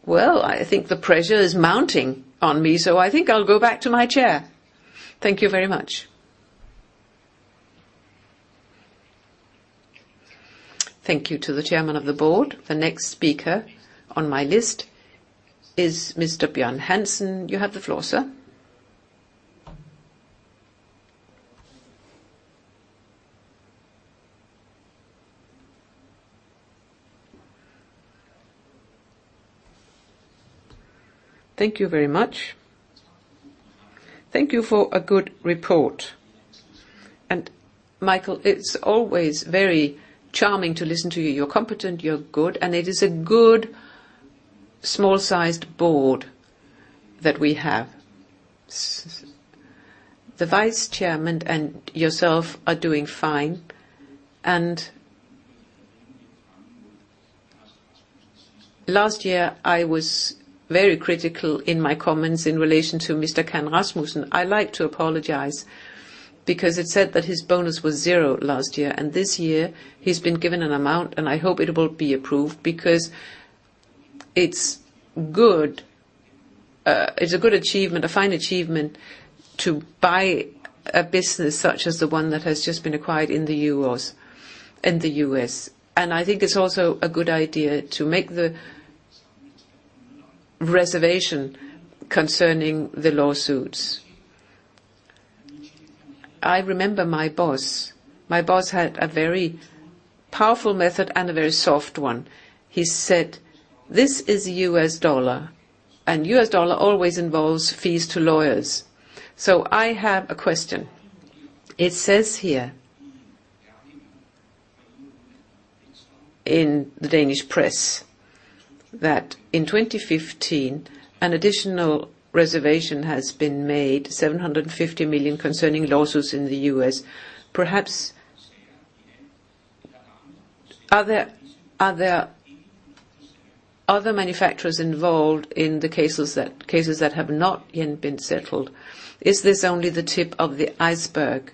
Well, I think the pressure is mounting on me, so I think I'll go back to my chair. Thank you very much. Thank you to the chairman of the board. The next speaker on my list is Mr. Bjørn Hansen. You have the floor, sir. Thank you very much. Thank you for a good report. Michael, it's always very charming to listen to you. You're competent, you're good, and it is a good small-sized board that we have. The vice chairman and yourself are doing fine, and last year I was very critical in my comments in relation to Mr. Lars Rasmussen. I'd like to apologize because it said that his bonus was zero last year, and this year he's been given an amount, and I hope it will be approved because it's good, it's a good achievement, a fine achievement, to buy a business such as the one that has just been acquired in the U.S. I think it's also a good idea to make the reservation concerning the lawsuits. I remember my boss. My boss had a very powerful method and a very soft one. He said, "This is a U.S. dollar, and U.S. dollar always involves fees to lawyers." I have a question. It says here in the Danish press that in 2015, an additional reservation has been made, $750 million, concerning lawsuits in the U.S. Perhaps, are there other manufacturers involved in the cases that have not yet been settled? Is this only the tip of the iceberg?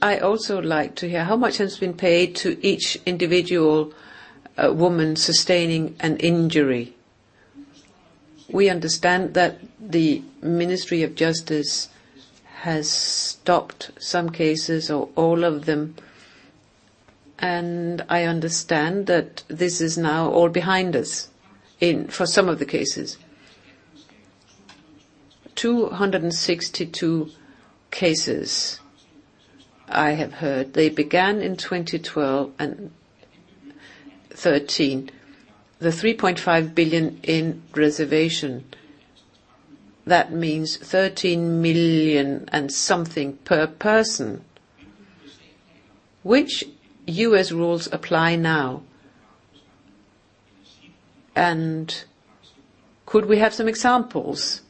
I also would like to hear, how much has been paid to each individual woman sustaining an injury? We understand that the Ministry of Justice has stopped some cases or all of them. I understand that this is now all behind us in for some of the cases. 262 cases, I have heard. They began in 2012 and 2013. The $3.5 billion in reservation, that means $13 million and something per person. Which U.S. rules apply now? Could we have some examples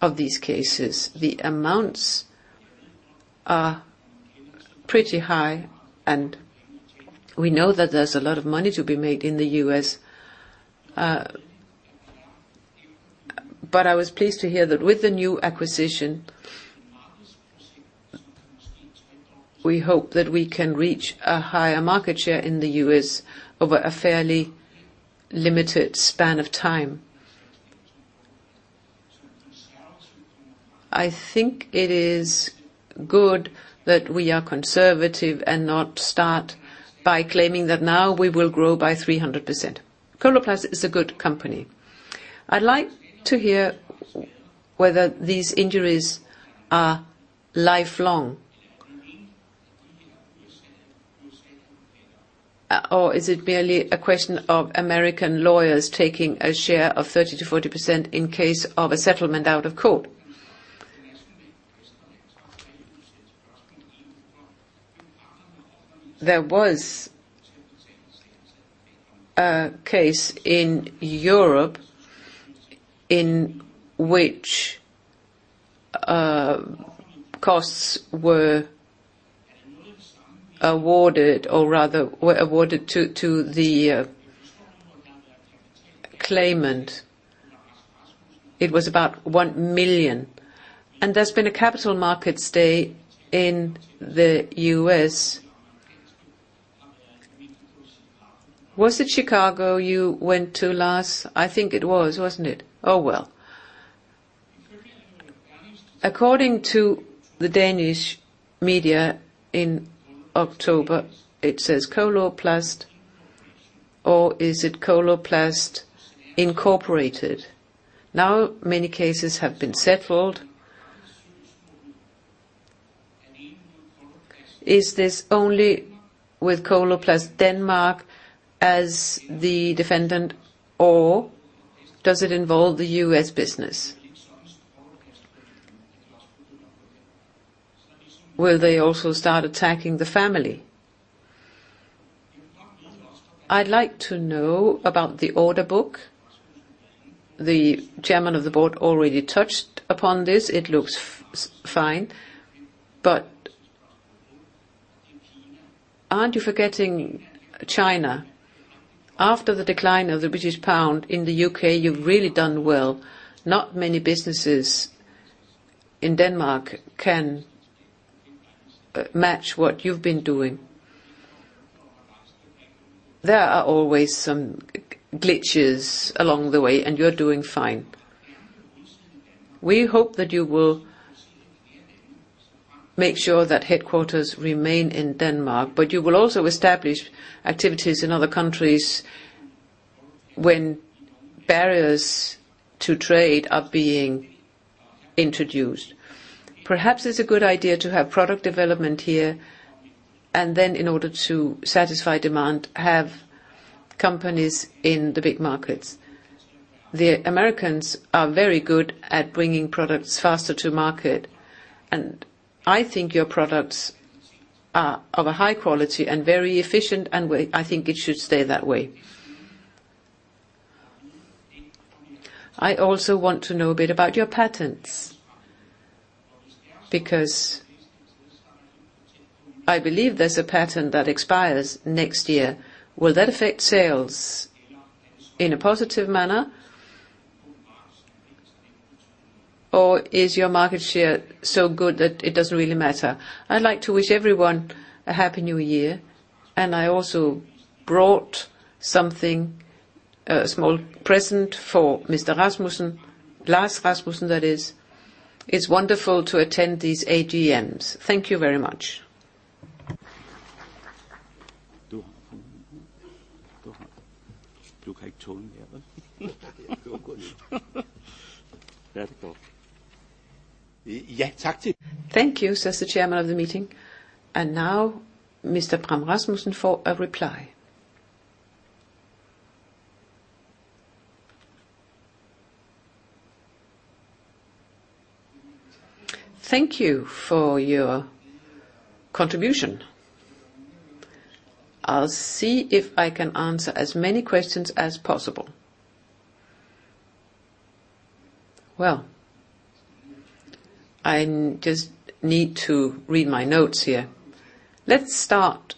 of these cases? The amounts are pretty high, and we know that there's a lot of money to be made in the U.S. I was pleased to hear that with the new acquisition, we hope that we can reach a higher market share in the U.S. over a fairly limited span of time. I think it is good that we are conservative and not start by claiming that now we will grow by 300%. Coloplast is a good company. I'd like to hear whether these injuries are lifelong, or is it merely a question of American lawyers taking a share of 30%-40% in case of a settlement out of court? There was a case in Europe in which costs were awarded, or rather, were awarded to the claimant. It was about 1 million. There's been a Capital Markets Day in the U.S. Was it Chicago you went to last? I think it was, wasn't it? Oh, well. According to the Danish media in October, it says Coloplast, or is it Coloplast Incorporated? Many cases have been settled. Is this only with Coloplast Denmark as the defendant, or does it involve the U.S. business? Will they also start attacking the family? I'd like to know about the order book. The Chairman of the Board already touched upon this. It looks fine. Aren't you forgetting China? After the decline of the British pound in the U.K., you've really done well. Not many businesses in Denmark can match what you've been doing. There are always some glitches along the way, you're doing fine. We hope that you will make sure that headquarters remain in Denmark, you will also establish activities in other countries when barriers to trade are being introduced. Perhaps it's a good idea to have product development here, and then in order to satisfy demand, have companies in the big markets. The Americans are very good at bringing products faster to market, I think your products are of a high quality and very efficient, We I think it should stay that way. I also want to know a bit about your patents, because I believe there's a patent that expires next year. Will that affect sales in a positive manner? Is your market share so good that it doesn't really matter? I'd like to wish everyone a happy New Year, I also brought something, a small present for Mr. Rasmussen. Lars Rasmussen, that is. It's wonderful to attend these AGMs. Thank you very much. Thank you, says the chairman of the meeting. Now, Mr. Bram Rasmussen for a reply. Thank you for your contribution. I'll see if I can answer as many questions as possible. Well, I just need to read my notes here. Let's start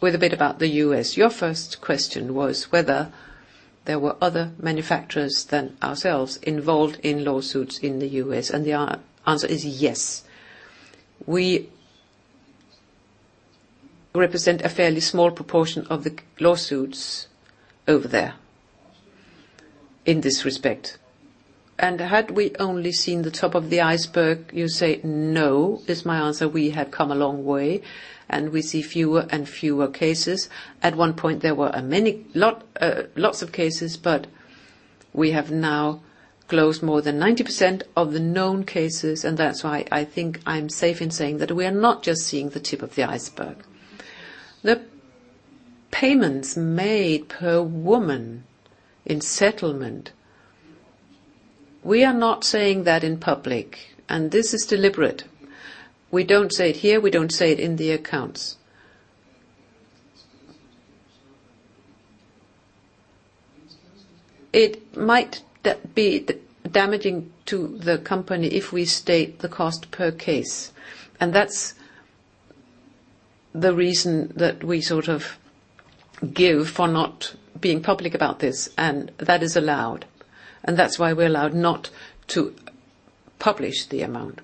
with a bit about the U.S. Your first question was whether there were other manufacturers than ourselves involved in lawsuits in the U.S., the answer is yes. We represent a fairly small proportion of the lawsuits over there in this respect. Had we only seen the top of the iceberg? You say, no, is my answer. We have come a long way, we see fewer and fewer cases. At one point, there were lots of cases. We have now closed more than 90% of the known cases. That's why I think I'm safe in saying that we are not just seeing the tip of the iceberg. The payments made per woman in settlement, we are not saying that in public. This is deliberate. We don't say it here, we don't say it in the accounts. It might be damaging to the company if we state the cost per case. That's the reason that we sort of give for not being public about this. That is allowed. That's why we're allowed not to publish the amount.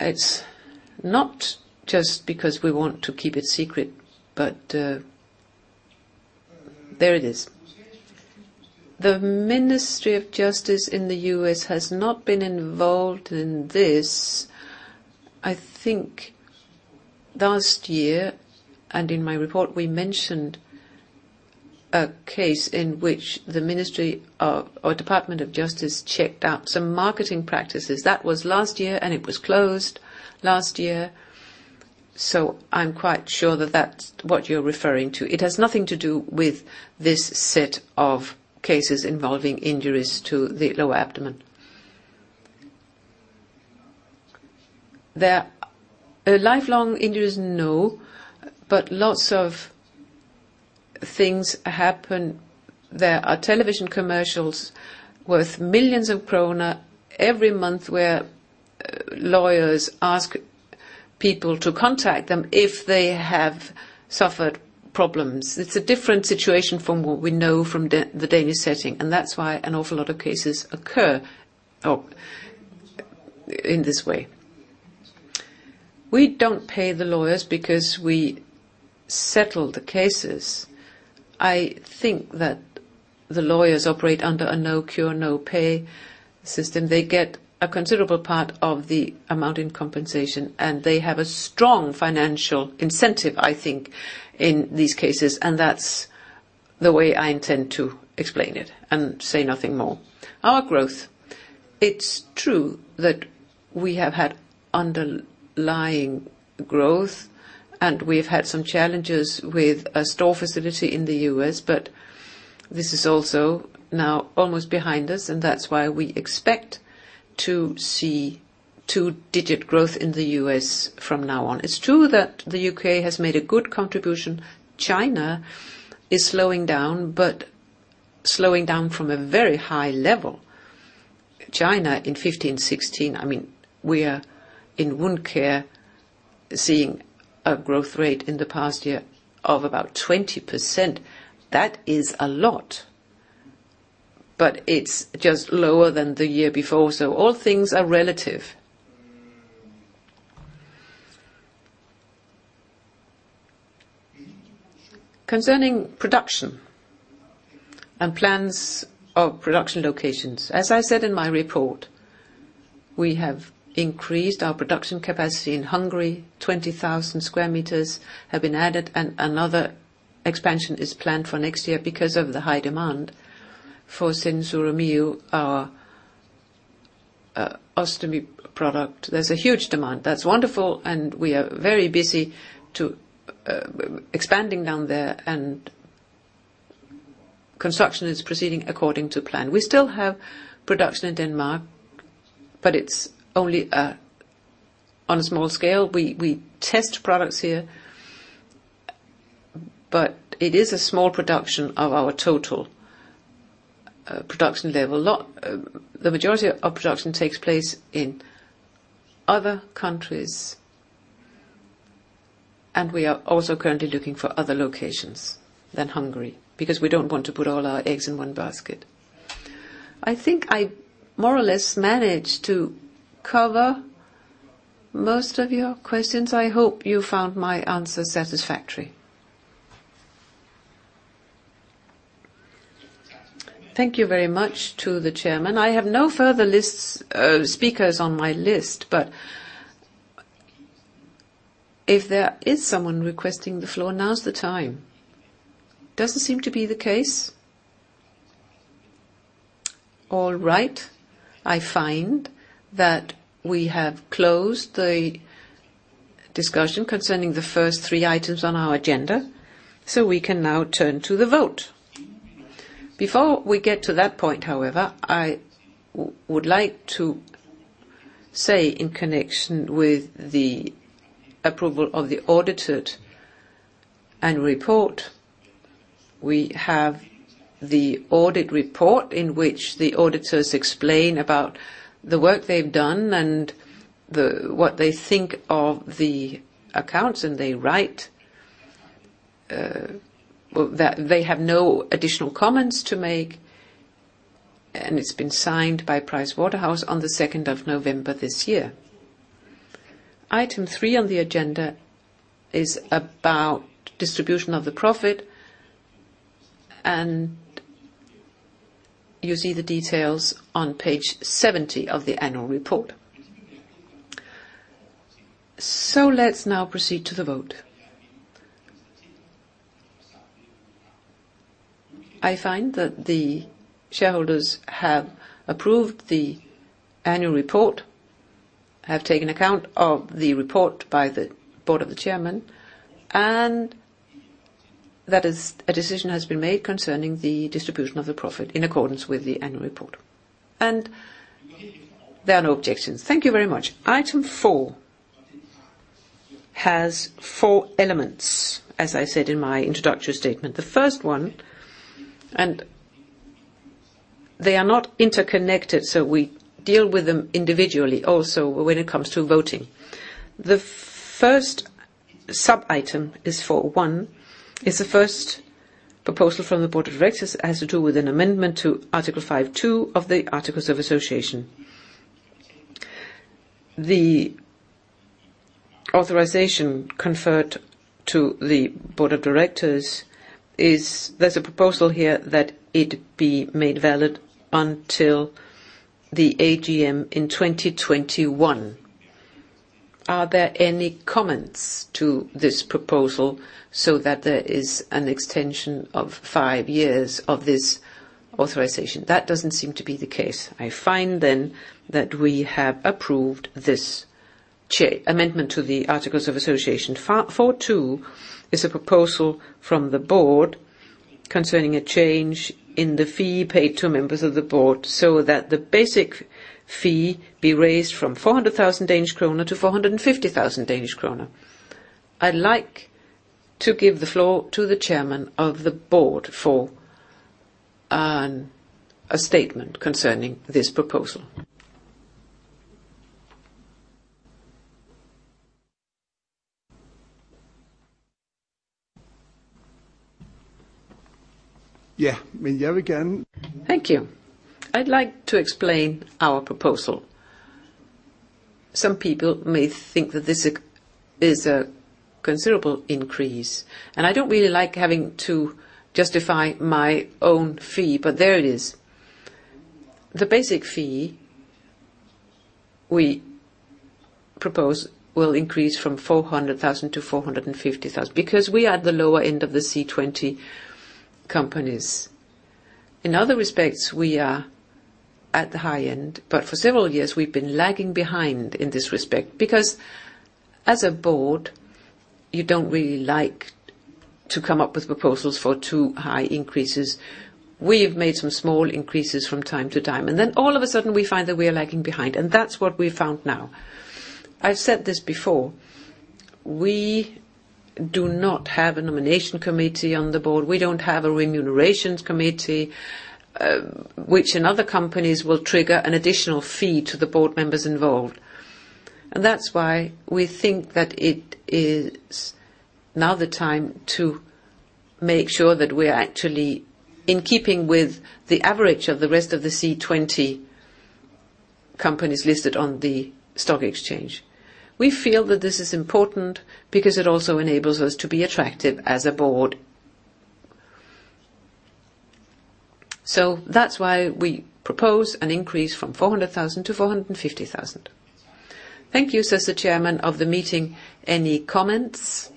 It's not just because we want to keep it secret, there it is. The U.S. Department of Justice has not been involved in this. Last year, in my report, we mentioned a case in which the U.S. Department of Justice checked out some marketing practices. That was last year. It was closed last year. I'm quite sure that that's what you're referring to. It has nothing to do with this set of cases involving injuries to the lower abdomen. There are lifelong injuries? No, lots of things happen. There are television commercials worth millions of DKK every month, where lawyers ask people to contact them if they have suffered problems. It's a different situation from what we know from the Danish setting, and that's why an awful lot of cases occur in this way. We don't pay the lawyers because we settle the cases. I think that the lawyers operate under a no cure, no pay system. They get a considerable part of the amount in compensation. They have a strong financial incentive, I think, in these cases. That's the way I intend to explain it and say nothing more. Our growth. It's true that we have had underlying growth. We've had some challenges with a store facility in the U.S. This is also now almost behind us. That's why we expect to see two-digit growth in the U.S. from now on. It's true that the U.K. has made a good contribution. China is slowing down, slowing down from a very high level. China in 2015, 2016, I mean, we are in Wound Care, seeing a growth rate in the past year of about 20%. That is a lot, but it's just lower than the year before, so all things are relative. Concerning production and plans of production locations, as I said in my report, we have increased our production capacity in Hungary. 20,000 square meters have been added, and another expansion is planned for next year because of the high demand for SenSura Mio, our ostomy product. There's a huge demand. That's wonderful, and we are very busy to expanding down there, and construction is proceeding according to plan. We still have production in Denmark, but it's only on a small scale. We test products here, but it is a small production of our total production level. The majority of production takes place in other countries, and we are also currently looking for other locations than Hungary, because we don't want to put all our eggs in 1 basket. I think I more or less managed to cover most of your questions. I hope you found my answers satisfactory. Thank you very much to the chairman. I have no further lists, speakers on my list, but if there is someone requesting the floor, now's the time. Doesn't seem to be the case. All right. I find that we have closed the discussion concerning the first three items on our agenda, so we can now turn to the vote. Before we get to that point, however, I would like to say in connection with the approval of the audited annual report, we have the audit report, in which the auditors explain about the work they've done and what they think of the accounts, and they write, well, that they have no additional comments to make, and it's been signed by PricewaterhouseCoopers on the 2nd of November this year. Item three on the agenda is about distribution of the profit, and you see the details on page 70 of the annual report. Let's now proceed to the vote. I find that the shareholders have approved the annual report, have taken account of the report by the board of the chairman, and a decision has been made concerning the distribution of the profit in accordance with the annual report, and there are no objections. Thank you very much. Item four has four elements, as I said in my introductory statement. The first one, and they are not interconnected, so we deal with them individually also when it comes to voting. The first sub item is 4.1, is the first proposal from the Board of Directors. It has to do with an amendment to Article 5.2 of the Articles of Association. The authorization conferred to the board of directors, there's a proposal here that it be made valid until the AGM in 2021. Are there any comments to this proposal so that there is an extension of five years of this authorization? That doesn't seem to be the case. I find then, that we have approved this amendment to the Articles of Association. 4.2, is a proposal from the board concerning a change in the fee paid to members of the board, so that the basic fee be raised from 400,000 Danish kroner to 450,000 Danish kroner. I'd like to give the floor to the chairman of the board for a statement concerning this proposal. Yeah. Thank you. I'd like to explain our proposal. Some people may think that this is a considerable increase, and I don't really like having to justify my own fee, but there it is. The basic fee we propose will increase from 400,000 to 450,000, because we are at the lower end of the OMXC20 companies. In other respects, we are at the high end, but for several years we've been lagging behind in this respect. Because as a board, you don't really like to come up with proposals for too high increases. We have made some small increases from time to time, and then all of a sudden we find that we are lagging behind, and that's what we found now. I've said this before, we do not have a nomination committee on the board. We don't have a remunerations committee, which in other companies will trigger an additional fee to the board members involved. That's why we think that it is now the time to make sure that we are actually in keeping with the average of the rest of the OMXC20 companies listed on the stock exchange. We feel that this is important because it also enables us to be attractive as a board. That's why we propose an increase from 400,000 to 450,000. Thank you, says the chairman of the meeting. Any comments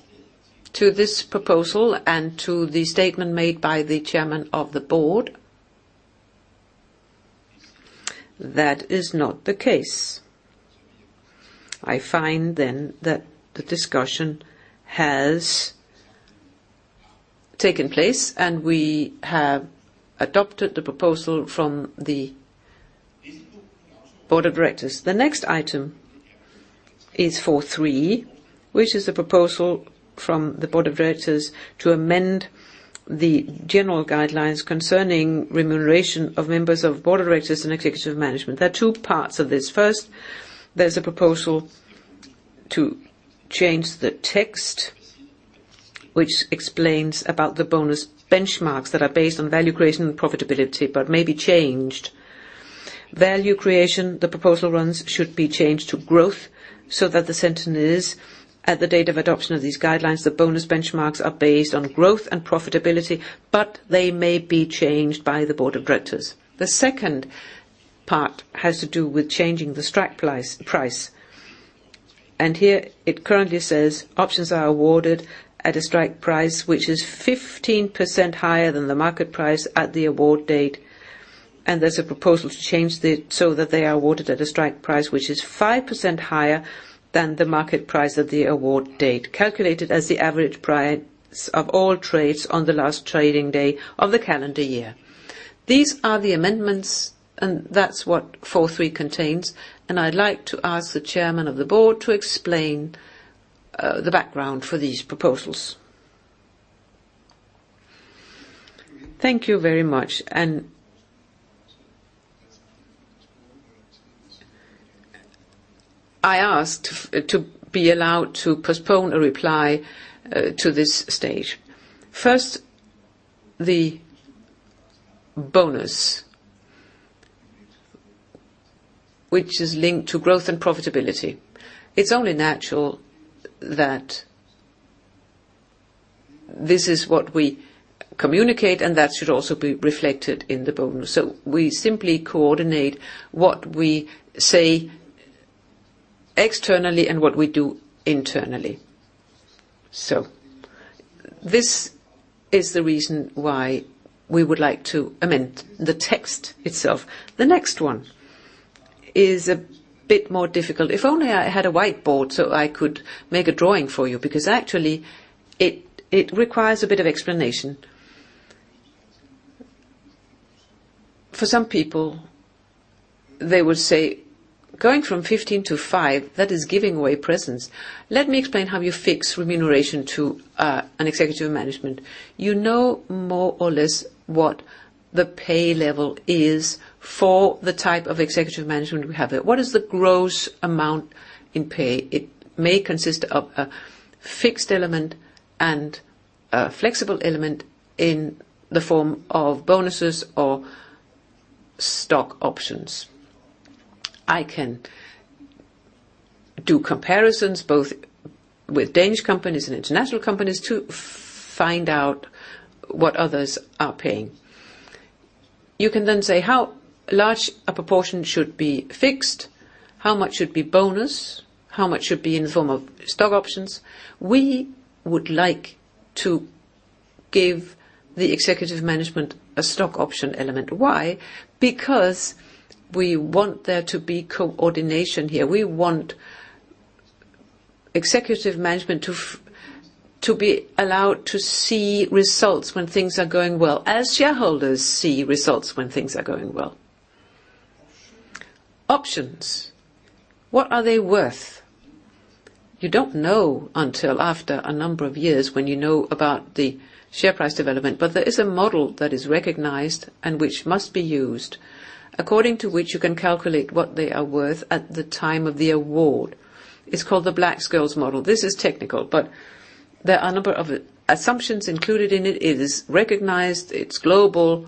to this proposal and to the statement made by the chairman of the board? That is not the case. I find then, that the discussion has taken place, and we have adopted the proposal from the board of directors. The next item is 4.3, which is a proposal from the board of directors to amend the general guidelines concerning remuneration of members of the board of directors and executive management. There are two parts of this. First, there's a proposal to change the text, which explains about the bonus benchmarks that are based on value creation and profitability, but may be changed. Value creation, the proposal runs, should be changed to growth, so that the sentence is: at the date of adoption of these guidelines, the bonus benchmarks are based on growth and profitability, but they may be changed by the board of directors. The second part has to do with changing the strike price, and here it currently says, "Options are awarded at a strike price, which is 15% higher than the market price at the award date." There's a proposal to change it, so that they are awarded at a strike price, which is 5% higher than the market price at the award date, calculated as the average price of all trades on the last trading day of the calendar year. These are the amendments, that's what 4.3 contains. I'd like to ask the Chairman of the Board to explain the background for these proposals. Thank you very much. I asked to be allowed to postpone a reply to this stage. First, the bonus, which is linked to growth and profitability. It's only natural that this is what we communicate, that should also be reflected in the bonus. We simply coordinate what we say externally and what we do internally. This is the reason why we would like to amend the text itself. The next one is a bit more difficult. If only I had a whiteboard, so I could make a drawing for you, because actually it requires a bit of explanation. For some people, they will say, "Going from 15 to five, that is giving away presents." Let me explain how you fix remuneration to an executive management. You know more or less what the pay level is for the type of executive management we have there. What is the gross amount in pay? It may consist of a fixed element and a flexible element in the form of bonuses or stock options. I can do comparisons, both with Danish companies and international companies, to find out what others are paying. You can then say how large a proportion should be fixed, how much should be bonus, how much should be in the form of stock options? We would like to give the executive management a stock option element. Why? Because we want there to be coordination here. We want executive management to be allowed to see results when things are going well, as shareholders see results when things are going well. Options, what are they worth? You don't know until after a number of years when you know about the share price development, but there is a model that is recognized, and which must be used, according to which you can calculate what they are worth at the time of the award. It's called the Black-Scholes model. This is technical, but there are a number of assumptions included in it. It is recognized, it's global.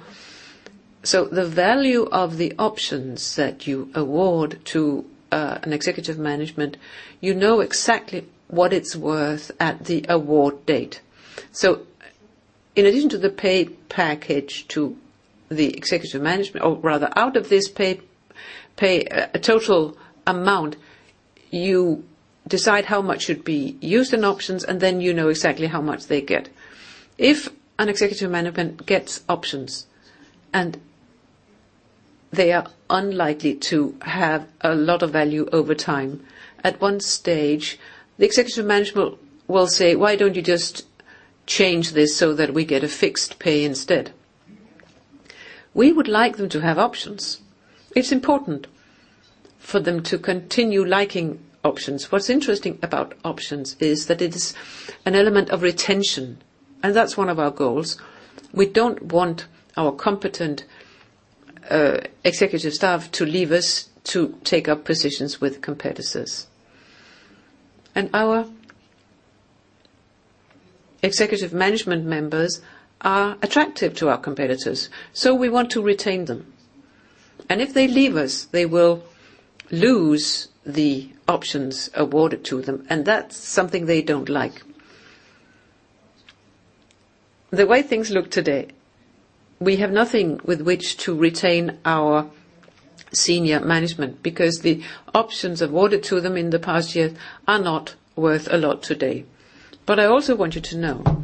The value of the options that you award to an executive management, you know exactly what it's worth at the award date. In addition to the pay package to the executive management, or rather, out of this pay total amount, you decide how much should be used in options, and then you know exactly how much they get. If an executive management gets options, and they are unlikely to have a lot of value over time, at one stage, the executive management will say: "Why don't you just change this so that we get a fixed pay instead?" We would like them to have options. It's important for them to continue liking options. What's interesting about options is that it is an element of retention, that's one of our goals. We don't want our competent executive staff to leave us to take up positions with competitors. Our executive management members are attractive to our competitors, so we want to retain them. If they leave us, they will lose the options awarded to them, and that's something they don't like. The way things look today, we have nothing with which to retain our senior management, because the options awarded to them in the past years are not worth a lot today. I also want you to know,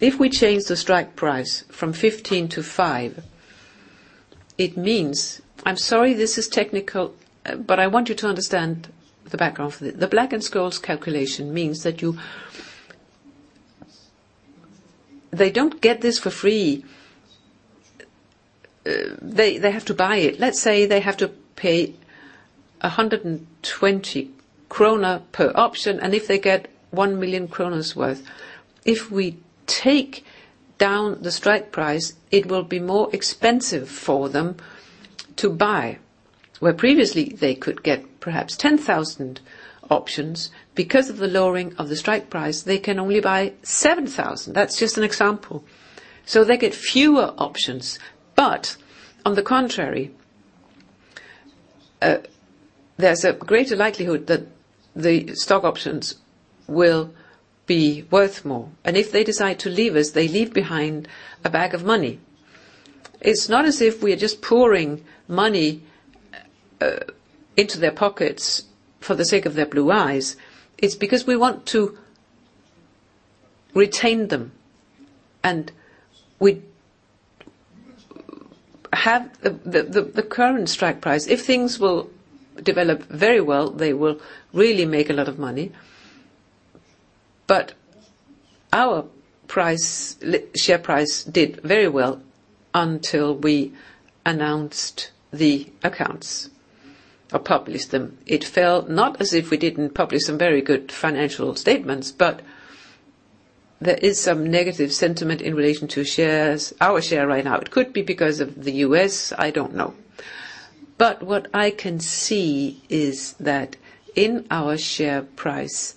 if we change the strike price from 15 to five, it means. I'm sorry, this is technical, but I want you to understand the background for this. The Black-Scholes calculation means that they don't get this for free, they have to buy it. Let's say they have to pay 120 krone per option, and if they get 1 million kroner worth, if we take down the strike price, it will be more expensive for them to buy. Where previously they could get perhaps 10,000 options, because of the lowering of the strike price, they can only buy 7,000. That's just an example. They get fewer options, but on the contrary, there's a greater likelihood that the stock options will be worth more. If they decide to leave us, they leave behind a bag of money. It's not as if we are just pouring money into their pockets for the sake of their blue eyes. It's because we want to retain them, and we have the current strike price. If things will develop very well, they will really make a lot of money. Our price, share price did very well until we announced the accounts or published them. It fell, not as if we didn't publish some very good financial statements, but there is some negative sentiment in relation to shares, our share right now. It could be because of the U.S., I don't know. What I can see is that in our share price,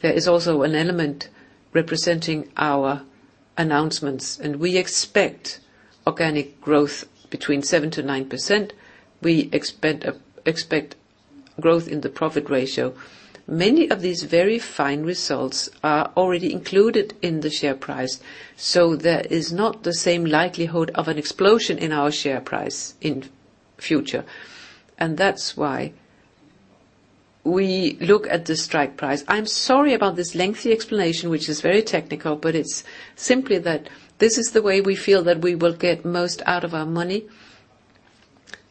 there is also an element representing our announcements, and we expect organic growth between 7%-9%. We expect growth in the profit ratio. Many of these very fine results are already included in the share price, so there is not the same likelihood of an explosion in our share price in future. That's why we look at the strike price. I'm sorry about this lengthy explanation, which is very technical, but it's simply that this is the way we feel that we will get most out of our money,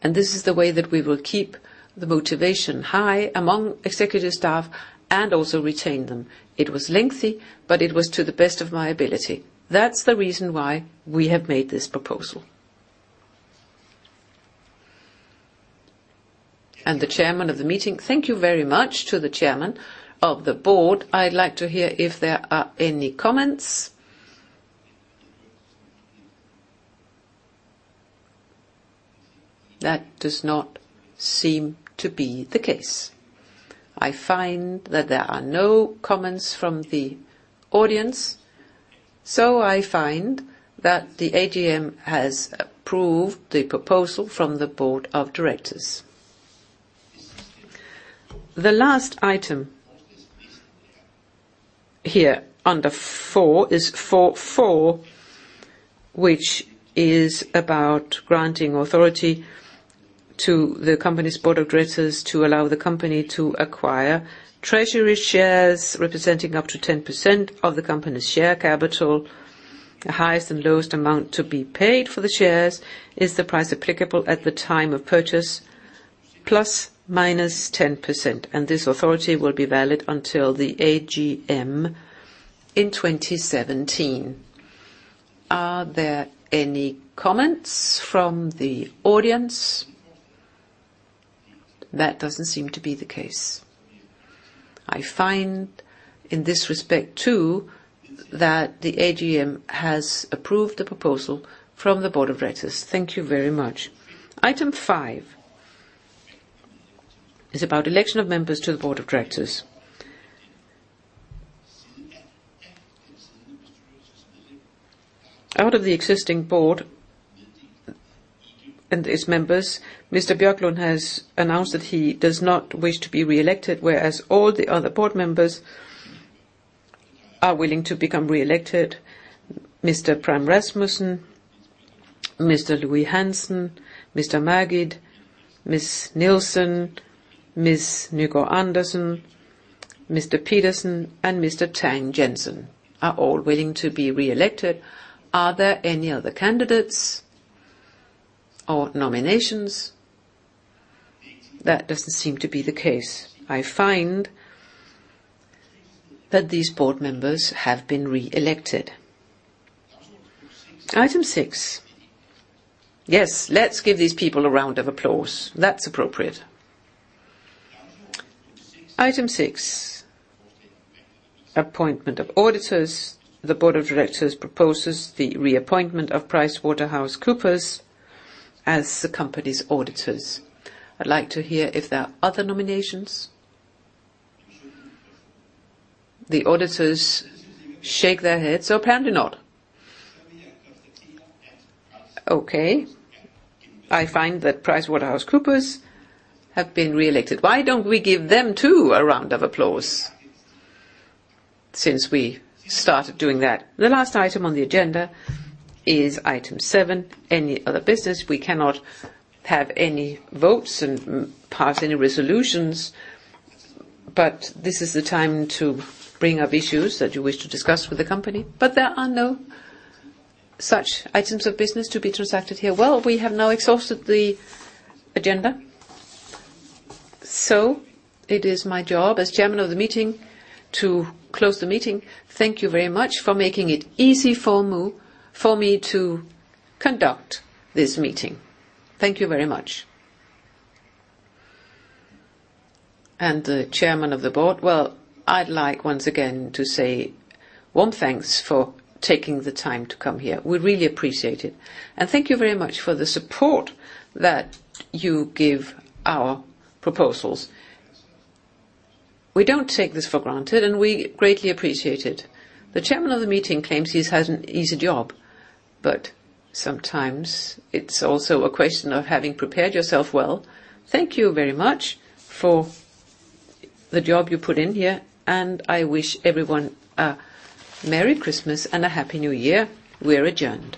and this is the way that we will keep the motivation high among executive staff and also retain them. It was lengthy, but it was to the best of my ability. That's the reason why we have made this proposal. The Chairman of the meeting, thank you very much to the Chairman of the Board. I'd like to hear if there are any comments? That does not seem to be the case. I find that there are no comments from the audience. I find that the AGM has approved the proposal from the Board of Directors. The last item here under 4 is 4.4, which is about granting authority to the company's Board of Directors to allow the company to acquire treasury shares, representing up to 10% of the company's share capital. The highest and lowest amount to be paid for the shares is the price applicable at the time of purchase, ±10%, and this authority will be valid until the AGM in 2017. Are there any comments from the audience? That doesn't seem to be the case. I find, in this respect, too, that the AGM has approved the proposal from the Board of Directors. Thank you very much. Item 5 is about election of members to the Board of Directors. Out of the existing Board and its members, Mr. Torbjörn Bjerklund has announced that he does not wish to be reelected, whereas all the other board members are willing to become reelected. Mr. Pram Rasmussen, Mr. Louis-Hansen, Mr. Magid, Ms. Nielsen, Ms. Nygaard-Andersen, Mr. Petersen, and Mr. Tang-Jensen are all willing to be reelected. Are there any other candidates or nominations? That doesn't seem to be the case. I find that these board members have been reelected. Item six... Yes, let's give these people a round of applause. That's appropriate. Item six, appointment of auditors. The board of directors proposes the reappointment of PricewaterhouseCoopers as the company's auditors. I'd like to hear if there are other nominations. The auditors shake their heads, so apparently not. Okay, I find that PricewaterhouseCoopers have been reelected. Why don't we give them, too, a round of applause, since we started doing that? The last item on the agenda is item seven, any other business. We cannot have any votes and pass any resolutions, but this is the time to bring up issues that you wish to discuss with the company. There are no such items of business to be transacted here. Well, we have now exhausted the agenda, so it is my job as chairman of the meeting to close the meeting. Thank you very much for making it easy for me to conduct this meeting. Thank you very much. The chairman of the board, well, I'd like once again to say warm thanks for taking the time to come here. We really appreciate it, and thank you very much for the support that you give our proposals. We don't take this for granted, and we greatly appreciate it. The chairman of the meeting claims he's had an easy job. Sometimes it's also a question of having prepared yourself well. Thank you very much for the job you put in here. I wish everyone a Merry Christmas and a Happy New Year. We are adjourned.